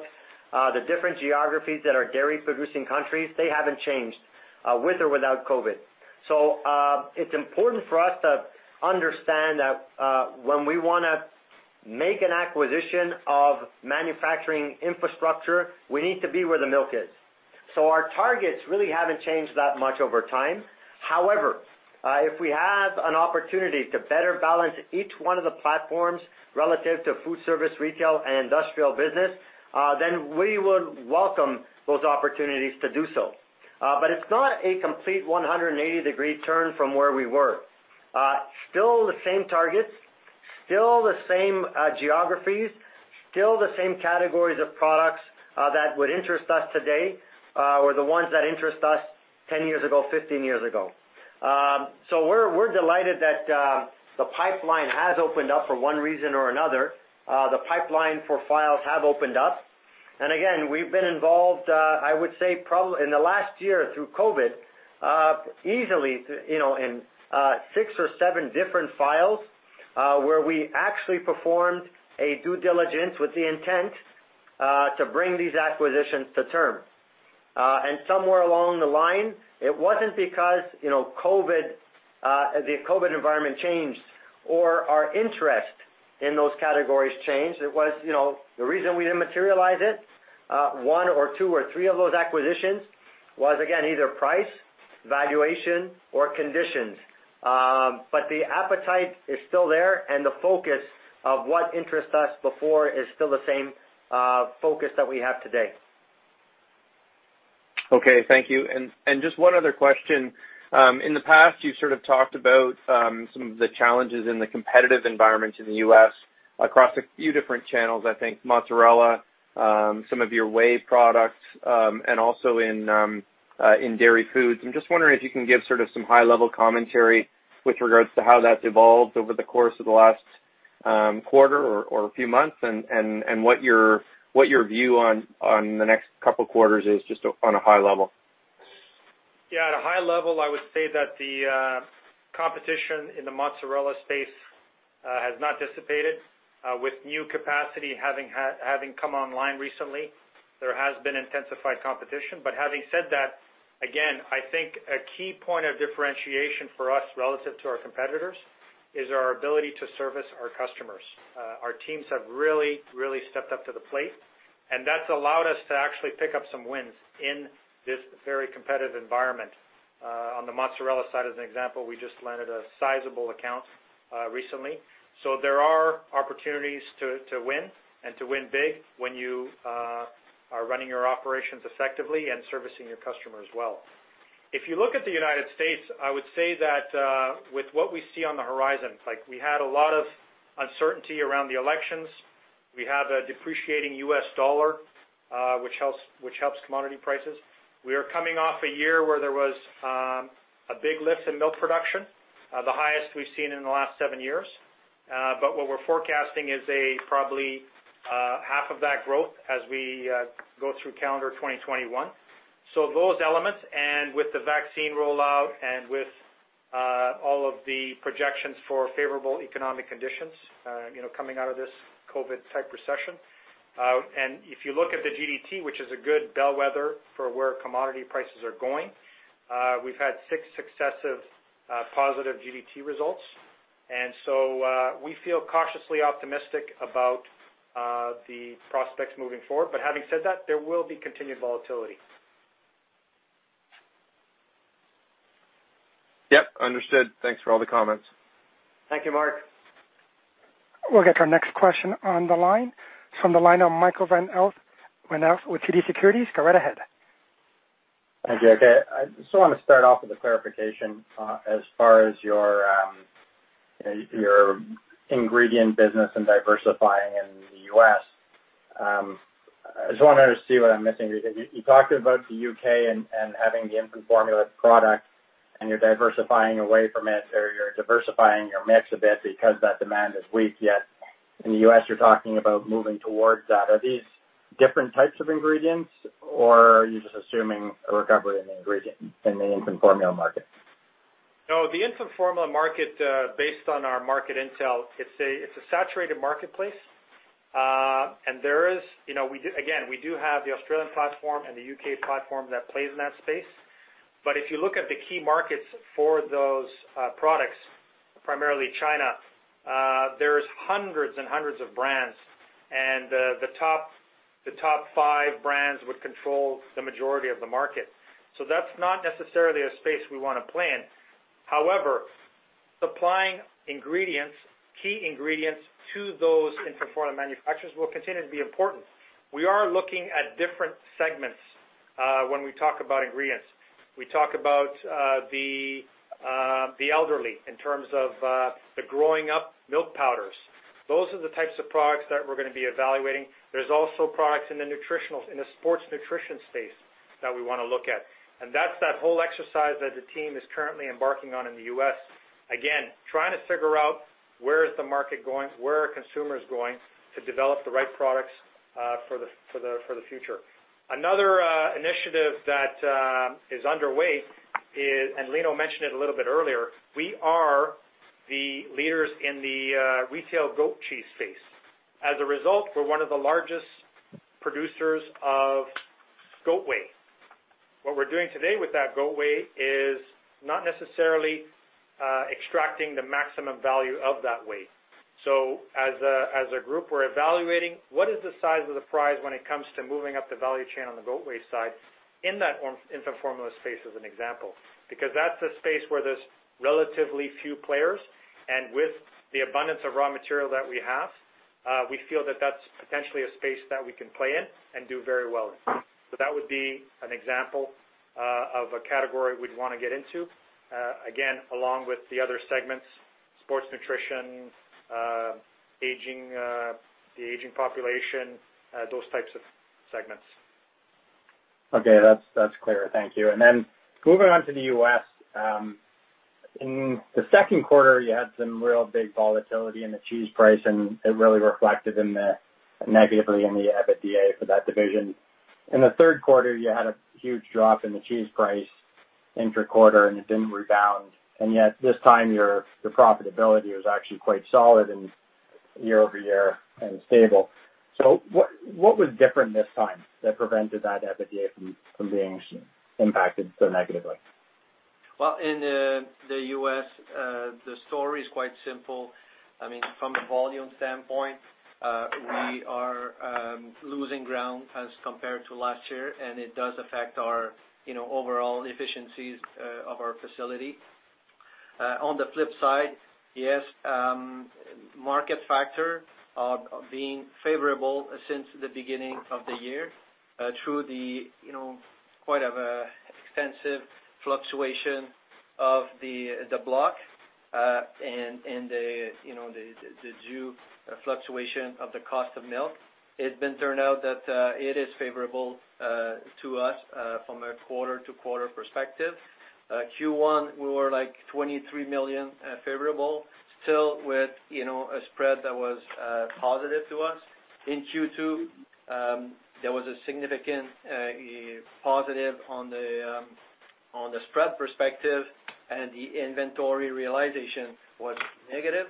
the different geographies that are dairy producing countries, they haven't changed with or without COVID. It's important for us to understand that when we want to make an acquisition of manufacturing infrastructure, we need to be where the milk is. Our targets really haven't changed that much over time. However, if we have an opportunity to better balance each one of the platforms relative to food service, retail, and industrial business, then we would welcome those opportunities to do so. It's not a complete 180-degree turn from where we were. Still the same targets. Still the same geographies, still the same categories of products that would interest us today were the ones that interest us 10 years ago, 15 years ago. We're delighted that the pipeline has opened up for one reason or another. The pipeline for files have opened up. We've been involved, I would say, in the last year through COVID, easily in six or seven different files, where we actually performed a due diligence with the intent to bring these acquisitions to term. It wasn't because the COVID environment changed or our interest in those categories changed. The reason we didn't materialize it, one or two or three of those acquisitions was, again, either price, valuation or conditions. The appetite is still there and the focus of what interest us before is still the same focus that we have today. Okay. Thank you. Just one other question. In the past, you sort of talked about some of the challenges in the competitive environment in the U.S. across a few different channels. I think mozzarella, some of your whey products, and also in Dairy Foods. I'm just wondering if you can give sort of some high-level commentary with regards to how that's evolved over the course of the last quarter or few months, and what your view on the next couple quarters is, just on a high level. Yeah, at a high level, I would say that the competition in the mozzarella space has not dissipated with new capacity having come online recently. There has been intensified competition. Having said that, again, I think a key point of differentiation for us relative to our competitors is our ability to service our customers. Our teams have really stepped up to the plate, and that's allowed us to actually pick up some wins in this very competitive environment. On the mozzarella side, as an example, we just landed a sizable account recently. There are opportunities to win and to win big when you are running your operations effectively and servicing your customers well. If you look at the U.S., I would say that with what we see on the horizon, like we had a lot of uncertainty around the elections. We have a depreciating U.S. dollar, which helps commodity prices. We are coming off a year where there was a big lift in milk production, the highest we've seen in the last seven years. What we're forecasting is a probably half of that growth as we go through calendar 2021. Those elements, with the vaccine rollout and with all of the projections for favorable economic conditions coming out of this COVID-type recession. If you look at the GDT, which is a good bellwether for where commodity prices are going, we've had six successive positive GDT results. We feel cautiously optimistic about the prospects moving forward. Having said that, there will be continued volatility. Yep, understood. Thanks for all the comments. Thank you, Mark. We'll get our next question on the line. It's from the line of Michael Van Aelst with TD Securities. Go right ahead. Thank you. Okay, I just want to start off with a clarification as far as your ingredient business and diversifying in the U.S. I just want to see what I'm missing, because you talked about the U.K. and having the infant formula product, and you're diversifying away from it, or you're diversifying your mix a bit because that demand is weak. In the U.S., you're talking about moving towards that. Are these different types of ingredients or are you just assuming a recovery in the ingredient in the infant formula market? The infant formula market, based on our market intel, it's a saturated marketplace. We do have the Australian platform and the U.K. platform that plays in that space. If you look at the key markets for those products, primarily China, there's hundreds and hundreds of brands, and the top five brands would control the majority of the market. That's not necessarily a space we want to play in. However, supplying key ingredients to those infant formula manufacturers will continue to be important. We are looking at different segments when we talk about ingredients. We talk about the elderly in terms of the growing up milk powders. Those are the types of products that we're going to be evaluating. There's also products in the sports nutrition space that we want to look at. That's that whole exercise that the team is currently embarking on in the U.S., again, trying to figure out where is the market going, where are consumers going to develop the right products for the future. Another initiative that is underway is, Lino mentioned it a little bit earlier, we are the leaders in the retail goat cheese space. As a result, we're one of the largest producers of goat whey. What we're doing today with that goat whey is not necessarily extracting the maximum value of that whey. As a group, we're evaluating what is the size of the prize when it comes to moving up the value chain on the goat whey side in that infant formula space as an example? Because that's a space where there's relatively few players, and with the abundance of raw material that we have We feel that that's potentially a space that we can play in and do very well in. That would be an example of a category we'd want to get into, again, along with the other segments, sports nutrition, the aging population, those types of segments. Okay. That's clear. Thank you. Moving on to the U.S., in the second quarter, you had some real big volatility in the cheese price, and it really reflected negatively in the EBITDA for that division. In the third quarter, you had a huge drop in the cheese price inter-quarter and it didn't rebound, and yet this time your profitability was actually quite solid and year-over-year and stable. What was different this time that prevented that EBITDA from being impacted so negatively? Well, in the U.S., the story is quite simple. From a volume standpoint, we are losing ground as compared to last year, and it does affect our overall efficiencies of our facility. On the flip side, yes, market factor being favorable since the beginning of the year, through the quite extensive fluctuation of the block and the due fluctuation of the cost of milk. It's been turned out that it is favorable to us from a quarter-to-quarter perspective. Q1, we were like 23 million favorable, still with a spread that was positive to us. In Q2, there was a significant positive on the spread perspective and the inventory realization was negative.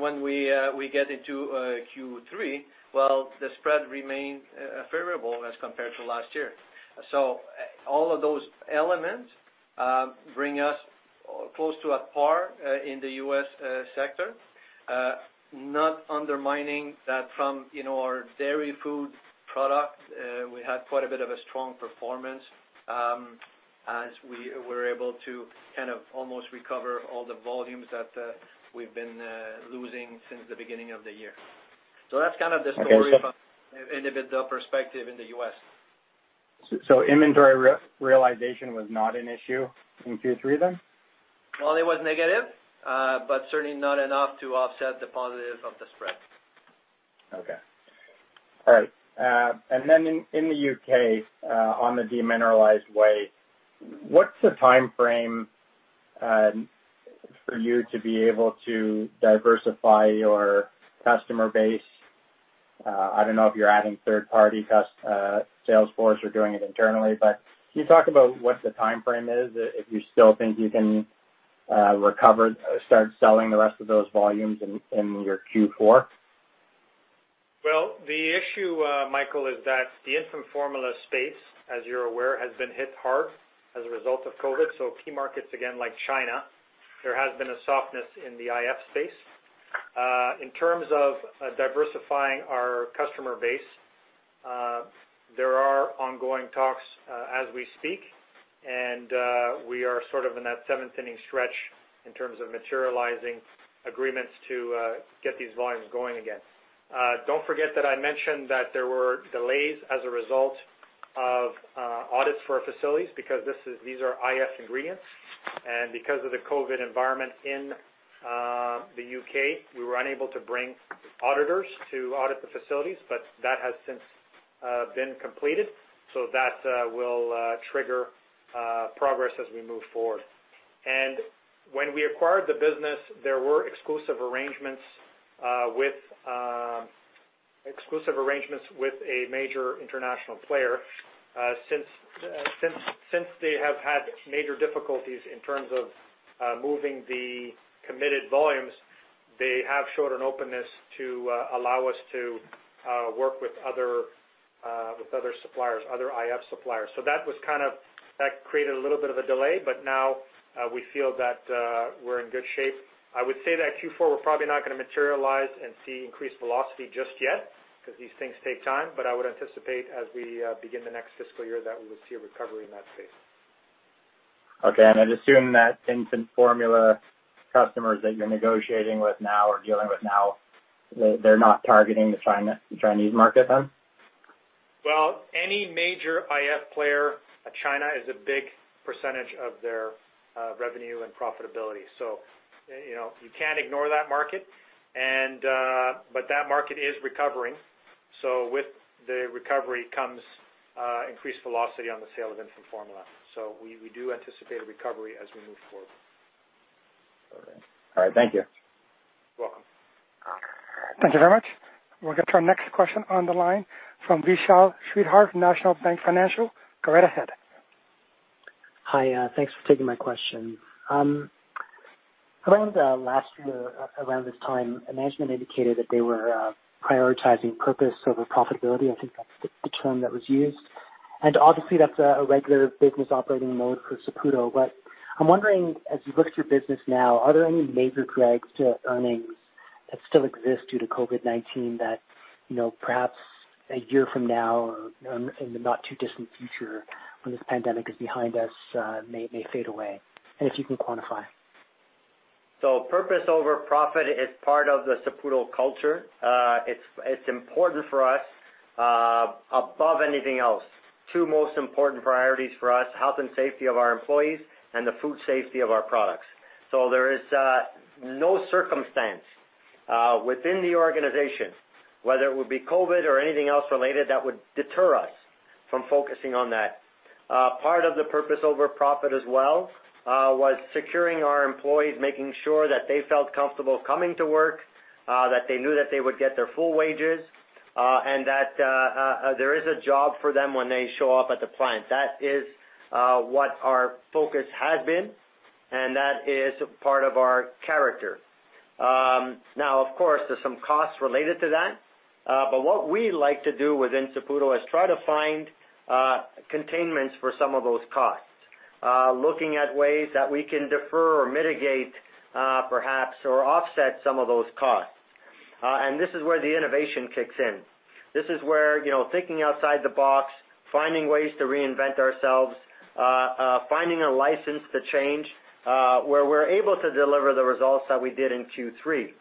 When we get into Q3, well, the spread remained favorable as compared to last year. All of those elements bring us close to a par in the U.S. sector. Not undermining that from our dairy food product, we had quite a bit of a strong performance as we were able to almost recover all the volumes that we've been losing since the beginning of the year. That's kind of the story from an EBITDA perspective in the U.S. Inventory realization was not an issue in Q3 then? Well, it was negative, but certainly not enough to offset the positive of the spread. Okay. All right. Then in the U.K., on the demineralized whey, what's the timeframe for you to be able to diversify your customer base? I don't know if you're adding third-party sales force or doing it internally, but can you talk about what the timeframe is, if you still think you can start selling the rest of those volumes in your Q4? The issue, Michael, is that the infant formula space, as you're aware, has been hit hard as a result of COVID. Key markets, again, like China, there has been a softness in the IF space. In terms of diversifying our customer base, there are ongoing talks as we speak, and we are sort of in that seventh-inning stretch in terms of materializing agreements to get these volumes going again. Don't forget that I mentioned that there were delays as a result of audits for our facilities because these are IF ingredients. Because of the COVID environment in the U.K., we were unable to bring auditors to audit the facilities, but that has since been completed. That will trigger progress as we move forward. When we acquired the business, there were exclusive arrangements with a major international player. Since they have had major difficulties in terms of moving the committed volumes, they have showed an openness to allow us to work with other suppliers, other IF suppliers. That created a little bit of a delay, but now we feel that we're in good shape. I would say that Q4, we're probably not going to materialize and see increased velocity just yet, because these things take time, but I would anticipate as we begin the next fiscal year that we will see a recovery in that space. Okay. I'd assume that infant formula customers that you're negotiating with now or dealing with now, they're not targeting the Chinese market then? Well, any major IF player, China is a big percentage of their revenue and profitability. You can't ignore that market. That market is recovering. With the recovery comes increased velocity on the sale of infant formula. We do anticipate a recovery as we move forward. All right. Thank you. Welcome. Thank you very much. We'll get to our next question on the line from Vishal Shreedhar from National Bank Financial. Go right ahead. Hi. Thanks for taking my question. Around last year, around this time, management indicated that they were prioritizing purpose over profitability. I think that's the term that was used. Obviously, that's a regular business operating mode for Saputo. I'm wondering, as you look at your business now, are there any major drags to earnings that still exist due to COVID-19 that perhaps a year from now or in the not-too-distant future when this pandemic is behind us may fade away, and if you can quantify. Purpose over profit is part of the Saputo culture. It's important for us above anything else. Two most important priorities for us, health and safety of our employees and the food safety of our products. There is no circumstance within the organization, whether it would be COVID or anything else related, that would deter us from focusing on that. Part of the purpose over profit as well was securing our employees, making sure that they felt comfortable coming to work, that they knew that they would get their full wages, and that there is a job for them when they show up at the plant. That is what our focus has been, and that is part of our character. Of course, there's some costs related to that. What we like to do within Saputo is try to find containments for some of those costs, looking at ways that we can defer or mitigate perhaps or offset some of those costs. This is where the innovation kicks in. This is where thinking outside the box, finding ways to reinvent ourselves, finding a license to change where we are able to deliver the results that we did in Q3.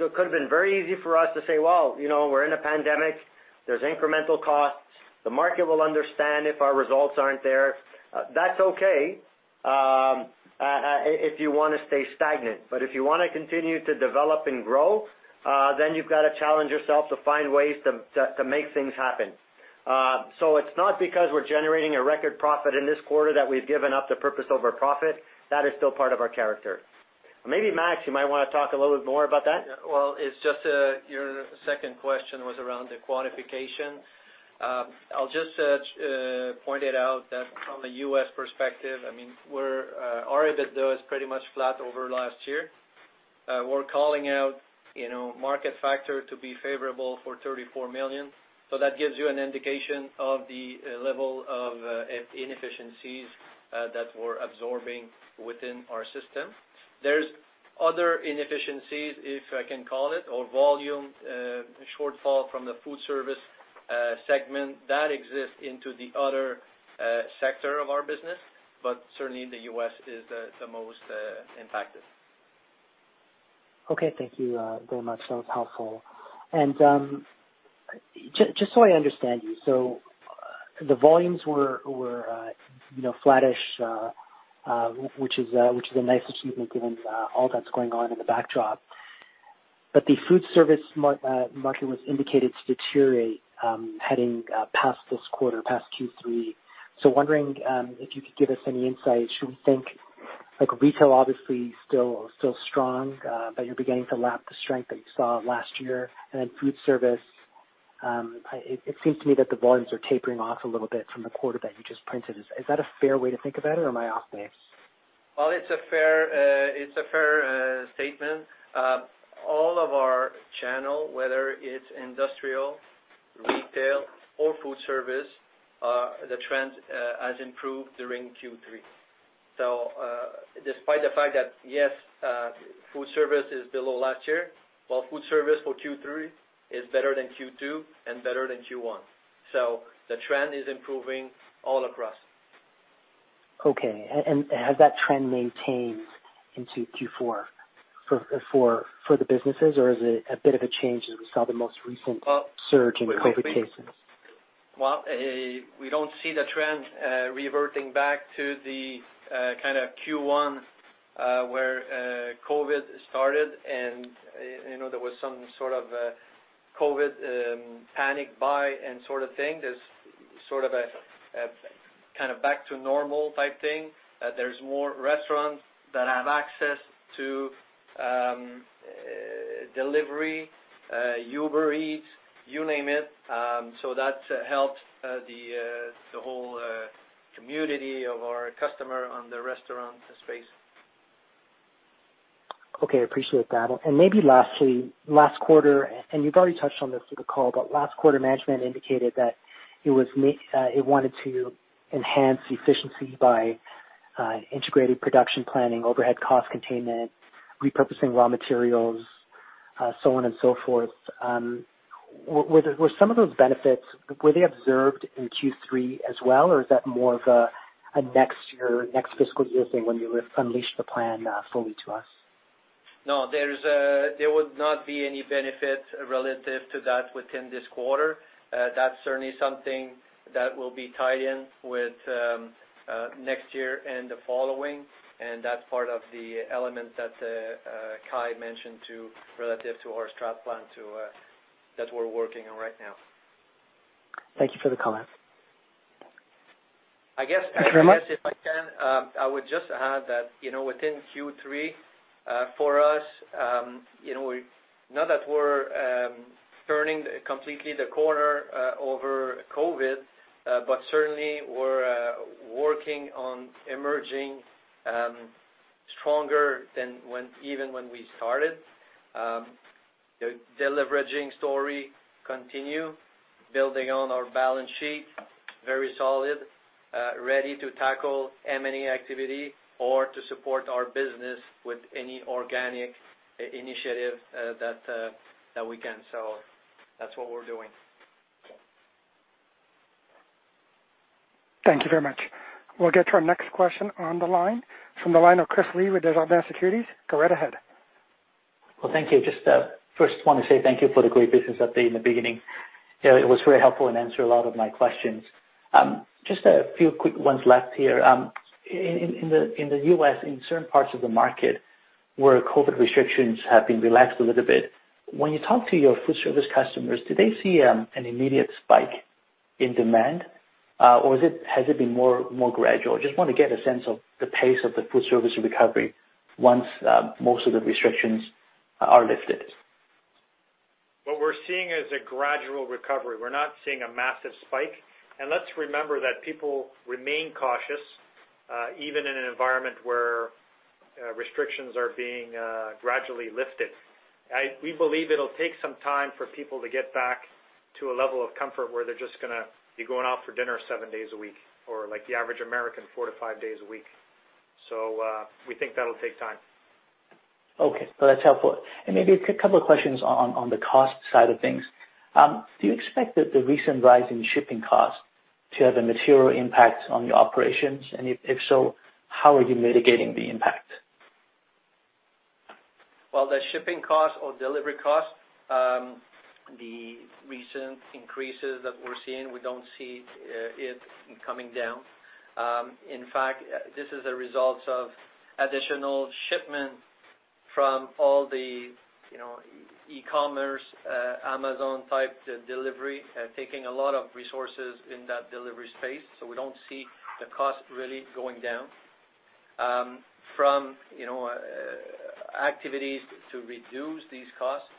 It could have been very easy for us to say, "Well, we're in a pandemic. There's incremental costs. The market will understand if our results aren't there." That's okay if you want to stay stagnant. If you want to continue to develop and grow, you've got to challenge yourself to find ways to make things happen. It's not because we're generating a record profit in this quarter that we've given up the purpose over profit. That is still part of our character. Maybe Max, you might want to talk a little bit more about that. Well, your second question was around the quantification. I'll just point it out that from a U.S. perspective, our EBITDA is pretty much flat over last year. We're calling out market factor to be favorable for 34 million. That gives you an indication of the level of inefficiencies that we're absorbing within our system. There's other inefficiencies, if I can call it, or volume shortfall from the food service segment that exists into the other sector of our business, but certainly the U.S. is the most impacted. Okay. Thank you very much. That was helpful. Just so I understand you, the volumes were flattish which is a nice achievement given all that's going on in the backdrop. The food service market was indicated to deteriorate heading past this quarter, past Q3. Wondering if you could give us any insight. Should we think like retail obviously still strong but you're beginning to lap the strength that you saw last year? Then food service, it seems to me that the volumes are tapering off a little bit from the quarter that you just printed. Is that a fair way to think about it, or am I off base? Well, it's a fair statement. All of our channel, whether it's industrial, retail, or food service, the trend has improved during Q3. Despite the fact that, yes, food service is below last year, well, food service for Q3 is better than Q2 and better than Q1. The trend is improving all across. Okay. Has that trend maintained into Q4 for the businesses, or is it a bit of a change as we saw the most recent surge in COVID cases? Well, we don't see the trend reverting back to the kind of Q1 where COVID started, and there was some sort of COVID panic buy and sort of thing. There's sort of a kind of back to normal type thing. There's more restaurants that have access to delivery, Uber Eats, you name it. That helps the whole community of our customer on the restaurant space. Okay, appreciate that. Maybe lastly, last quarter, and you've already touched on this through the call, but last quarter management indicated that it wanted to enhance efficiency by integrating production planning, overhead cost containment, repurposing raw materials, so on and so forth. Were some of those benefits observed in Q3 as well, or is that more of a next year, next fiscal year thing when you unleash the plan fully to us? No, there wouldn't be any benefit relative to that within this quarter. That's certainly something that will be tied in with next year and the following, and that's part of the element that Kai mentioned too relative to our strat plan too that we're working on right now. Thank you for the comment. I guess- Very much. If I can, I would just add that within Q3 for us, not that we're turning completely the corner over COVID, but certainly we're working on emerging stronger than even when we started. The deleveraging story continue, building on our balance sheet. Very solid, ready to tackle M&A activity or to support our business with any organic initiative that we can. That's what we're doing. Thank you very much. We'll get to our next question on the line. From the line of Chris Li with Desjardins Securities, go right ahead. Thank you. Just first want to say thank you for the great business update in the beginning. It was very helpful and answered a lot of my questions. Just a few quick ones left here. In the U.S., in certain parts of the market where COVID restrictions have been relaxed a little bit, when you talk to your food service customers, do they see an immediate spike in demand? Has it been more gradual? Just want to get a sense of the pace of the food service recovery once most of the restrictions are lifted. What we're seeing is a gradual recovery. We're not seeing a massive spike. Let's remember that people remain cautious, even in an environment where restrictions are being gradually lifted. We believe it'll take some time for people to get back to a level of comfort where they're just going to be going out for dinner seven days a week. Like the average American, four to five days a week. We think that'll take time. That's helpful. Maybe a couple of questions on the cost side of things. Do you expect that the recent rise in shipping costs to have a material impact on your operations? If so, how are you mitigating the impact? Well, the shipping cost or delivery cost, the recent increases that we're seeing, we don't see it coming down. In fact, this is a result of additional shipment from all the e-commerce, Amazon type delivery, taking a lot of resources in that delivery space. We don't see the cost really going down. From activities to reduce these costs,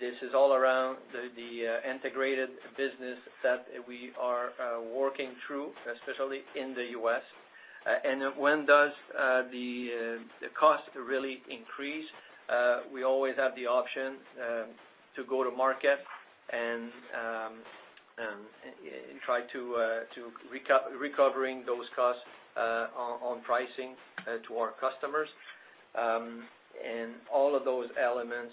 this is all around the integrated business that we are working through, especially in the U.S. When does the cost really increase? We always have the option to go to market and try to recovering those costs on pricing to our customers. All of those elements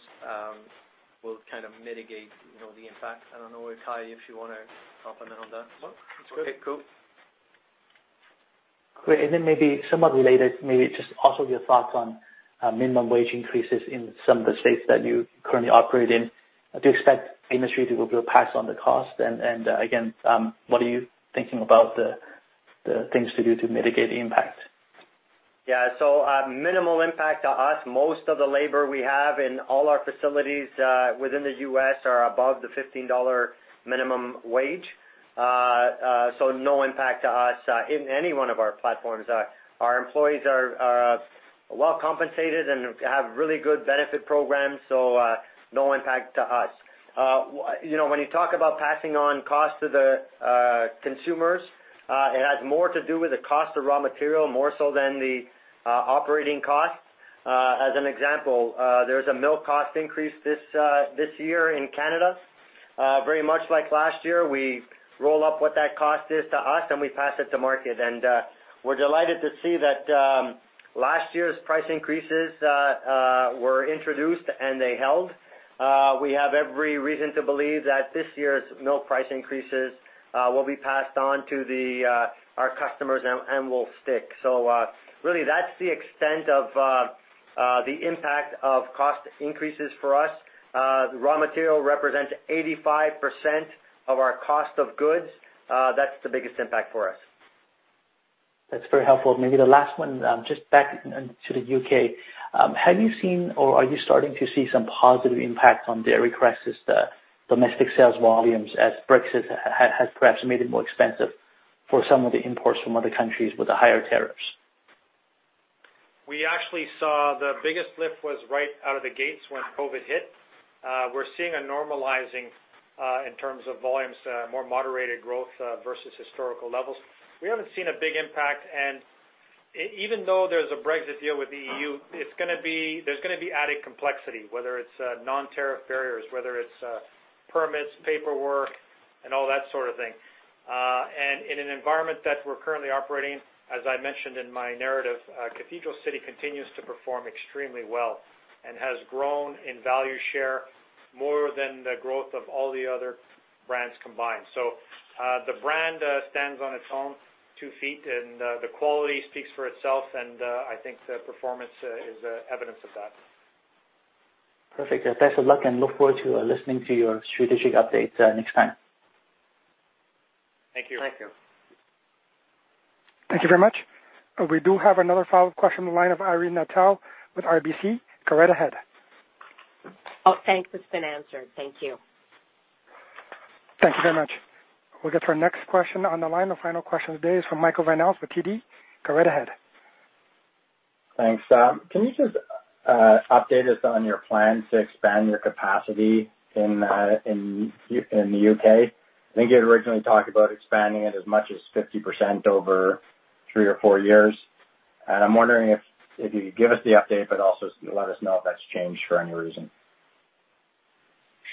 will kind of mitigate the impact. I don't know if, Kai, if you want to comment on that as well? No, it's good. Okay, cool. Great. Then maybe somewhat related, maybe just also your thoughts on minimum wage increases in some of the states that you currently operate in. Do you expect the industry to be able to pass on the cost? Again, what are you thinking about the things to do to mitigate the impact? Yeah. Minimal impact to us. Most of the labor we have in all our facilities within the U.S. are above the $15 minimum wage. No impact to us in any one of our platforms. Our employees are well compensated and have really good benefit programs, no impact to us. When you talk about passing on cost to the consumers, it has more to do with the cost of raw material, more so than the operating costs. As an example, there's a milk cost increase this year in Canada. Very much like last year, we roll up what that cost is to us, and we pass it to market. We're delighted to see that last year's price increases were introduced, and they held. We have every reason to believe that this year's milk price increases will be passed on to our customers and will stick. Really that's the extent of the impact of cost increases for us. Raw material represents 85% of our cost of goods. That's the biggest impact for us. That's very helpful. Maybe the last one, just back to the U.K. Have you seen, or are you starting to see some positive impact on dairy prices, domestic sales volumes, as Brexit has perhaps made it more expensive for some of the imports from other countries with the higher tariffs? We actually saw the biggest lift was right out of the gates when COVID hit. We're seeing a normalizing in terms of volumes, more moderated growth, versus historical levels. We haven't seen a big impact, and even though there's a Brexit deal with the EU, there's going to be added complexity, whether it's non-tariff barriers, whether it's permits, paperwork, and all that sort of thing. In an environment that we're currently operating, as I mentioned in my narrative, Cathedral City continues to perform extremely well and has grown in value share more than the growth of all the other brands combined. The brand stands on its own two feet and the quality speaks for itself, and I think the performance is evidence of that. Perfect. Best of luck, and look forward to listening to your strategic update next time. Thank you. Thank you. Thank you very much. We do have another follow-up question on the line of Irene Nattel with RBC. Go right ahead. Oh, thanks. It's been answered. Thank you. Thank you very much. We'll get to our next question on the line. The final question of the day is from Michael Van Aelst with TD. Go right ahead. Thanks. Can you just update us on your plans to expand your capacity in the U.K.? I think you had originally talked about expanding it as much as 50% over three or four years. I'm wondering if you could give us the update, but also let us know if that's changed for any reason.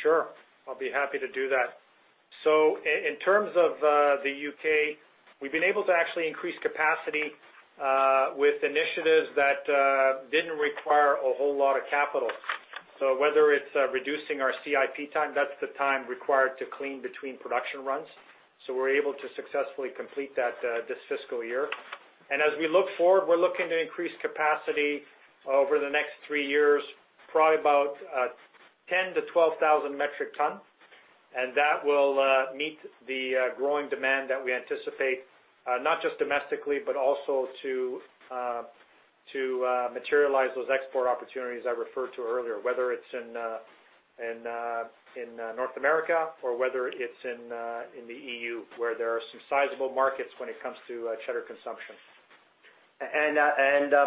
Sure, I'll be happy to do that. In terms of the U.K., we've been able to actually increase capacity with initiatives that didn't require a whole lot of capital. Whether it's reducing our CIP time, that's the time required to clean between production runs. We're able to successfully complete that this fiscal year. As we look forward, we're looking to increase capacity over the next three years, probably about 10,000 to 12,000 metric ton. That will meet the growing demand that we anticipate, not just domestically, but also to materialize those export opportunities I referred to earlier, whether it's in North America or whether it's in the EU, where there are some sizable markets when it comes to cheddar consumption.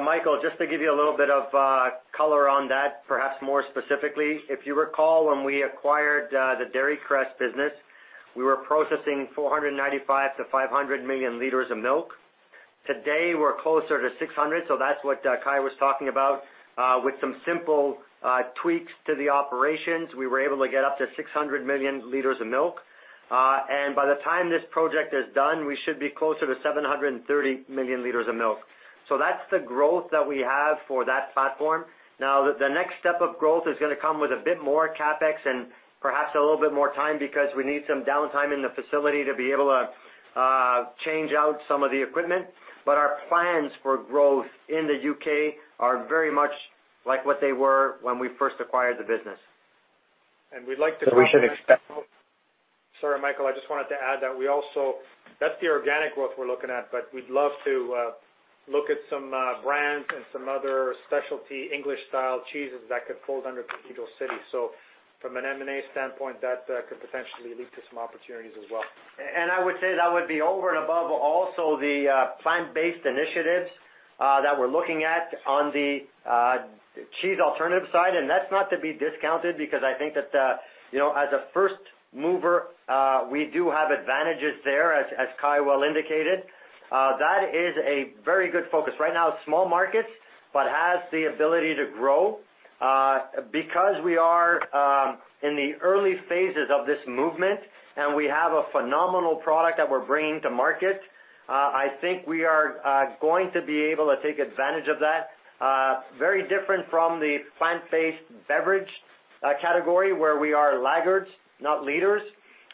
Michael, just to give you a little bit of color on that, perhaps more specifically, if you recall when we acquired the Dairy Crest business, we were processing 495 million-500 million liters of milk. Today, we're closer to 600 million, so that's what Kai was talking about. With some simple tweaks to the operations, we were able to get up to 600 million liters of milk. By the time this project is done, we should be closer to 730 million liters of milk. That's the growth that we have for that platform. Now, the next step of growth is gonna come with a bit more CapEx and perhaps a little bit more time because we need some downtime in the facility to be able to change out some of the equipment. Our plans for growth in the UK are very much like what they were when we first acquired the business. And we'd like to comment- So we should expect- Sorry, Michael, I just wanted to add that that's the organic growth we're looking at, but we'd love to look at some brands and some other specialty English-style cheeses that could fold under Cathedral City. From an M&A standpoint, that could potentially lead to some opportunities as well. I would say that would be over and above also the plant-based initiatives that we're looking at on the cheese alternative side, and that's not to be discounted because I think that as a first mover, we do have advantages there, as Kai well indicated. That is a very good focus. Right now, small markets, but has the ability to grow. Because we are in the early phases of this movement and we have a phenomenal product that we're bringing to market, I think we are going to be able to take advantage of that. Very different from the plant-based beverage category where we are laggards, not leaders.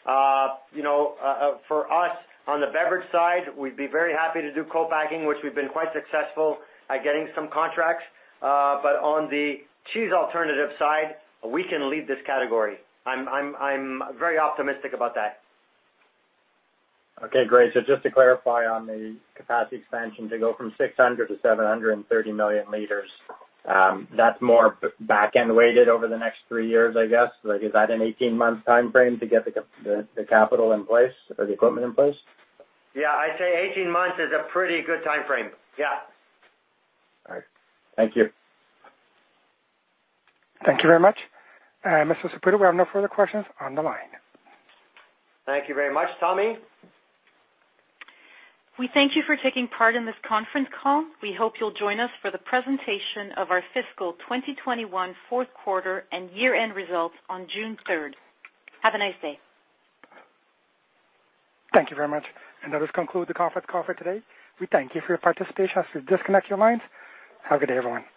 For us, on the beverage side, we'd be very happy to do co-packing, which we've been quite successful at getting some contracts. On the cheese alternative side, we can lead this category. I'm very optimistic about that. Okay, great. Just to clarify on the capacity expansion to go from 600 million to 730 million liters, that's more back-end weighted over the next three years, I guess? Like, is that an 18-month time frame to get the capital in place or the equipment in place? Yeah, I'd say 18 months is a pretty good time frame. Yeah. All right. Thank you. Thank you very much. Mr. Saputo, we have no further questions on the line. Thank you very much, Tommy. We thank you for taking part in this conference call. We hope you'll join us for the presentation of our fiscal 2021 fourth quarter and year-end results on June 3rd. Have a nice day. Thank you very much. That does conclude the conference call for today. We thank you for your participation. As we disconnect your lines. Have a good day, everyone.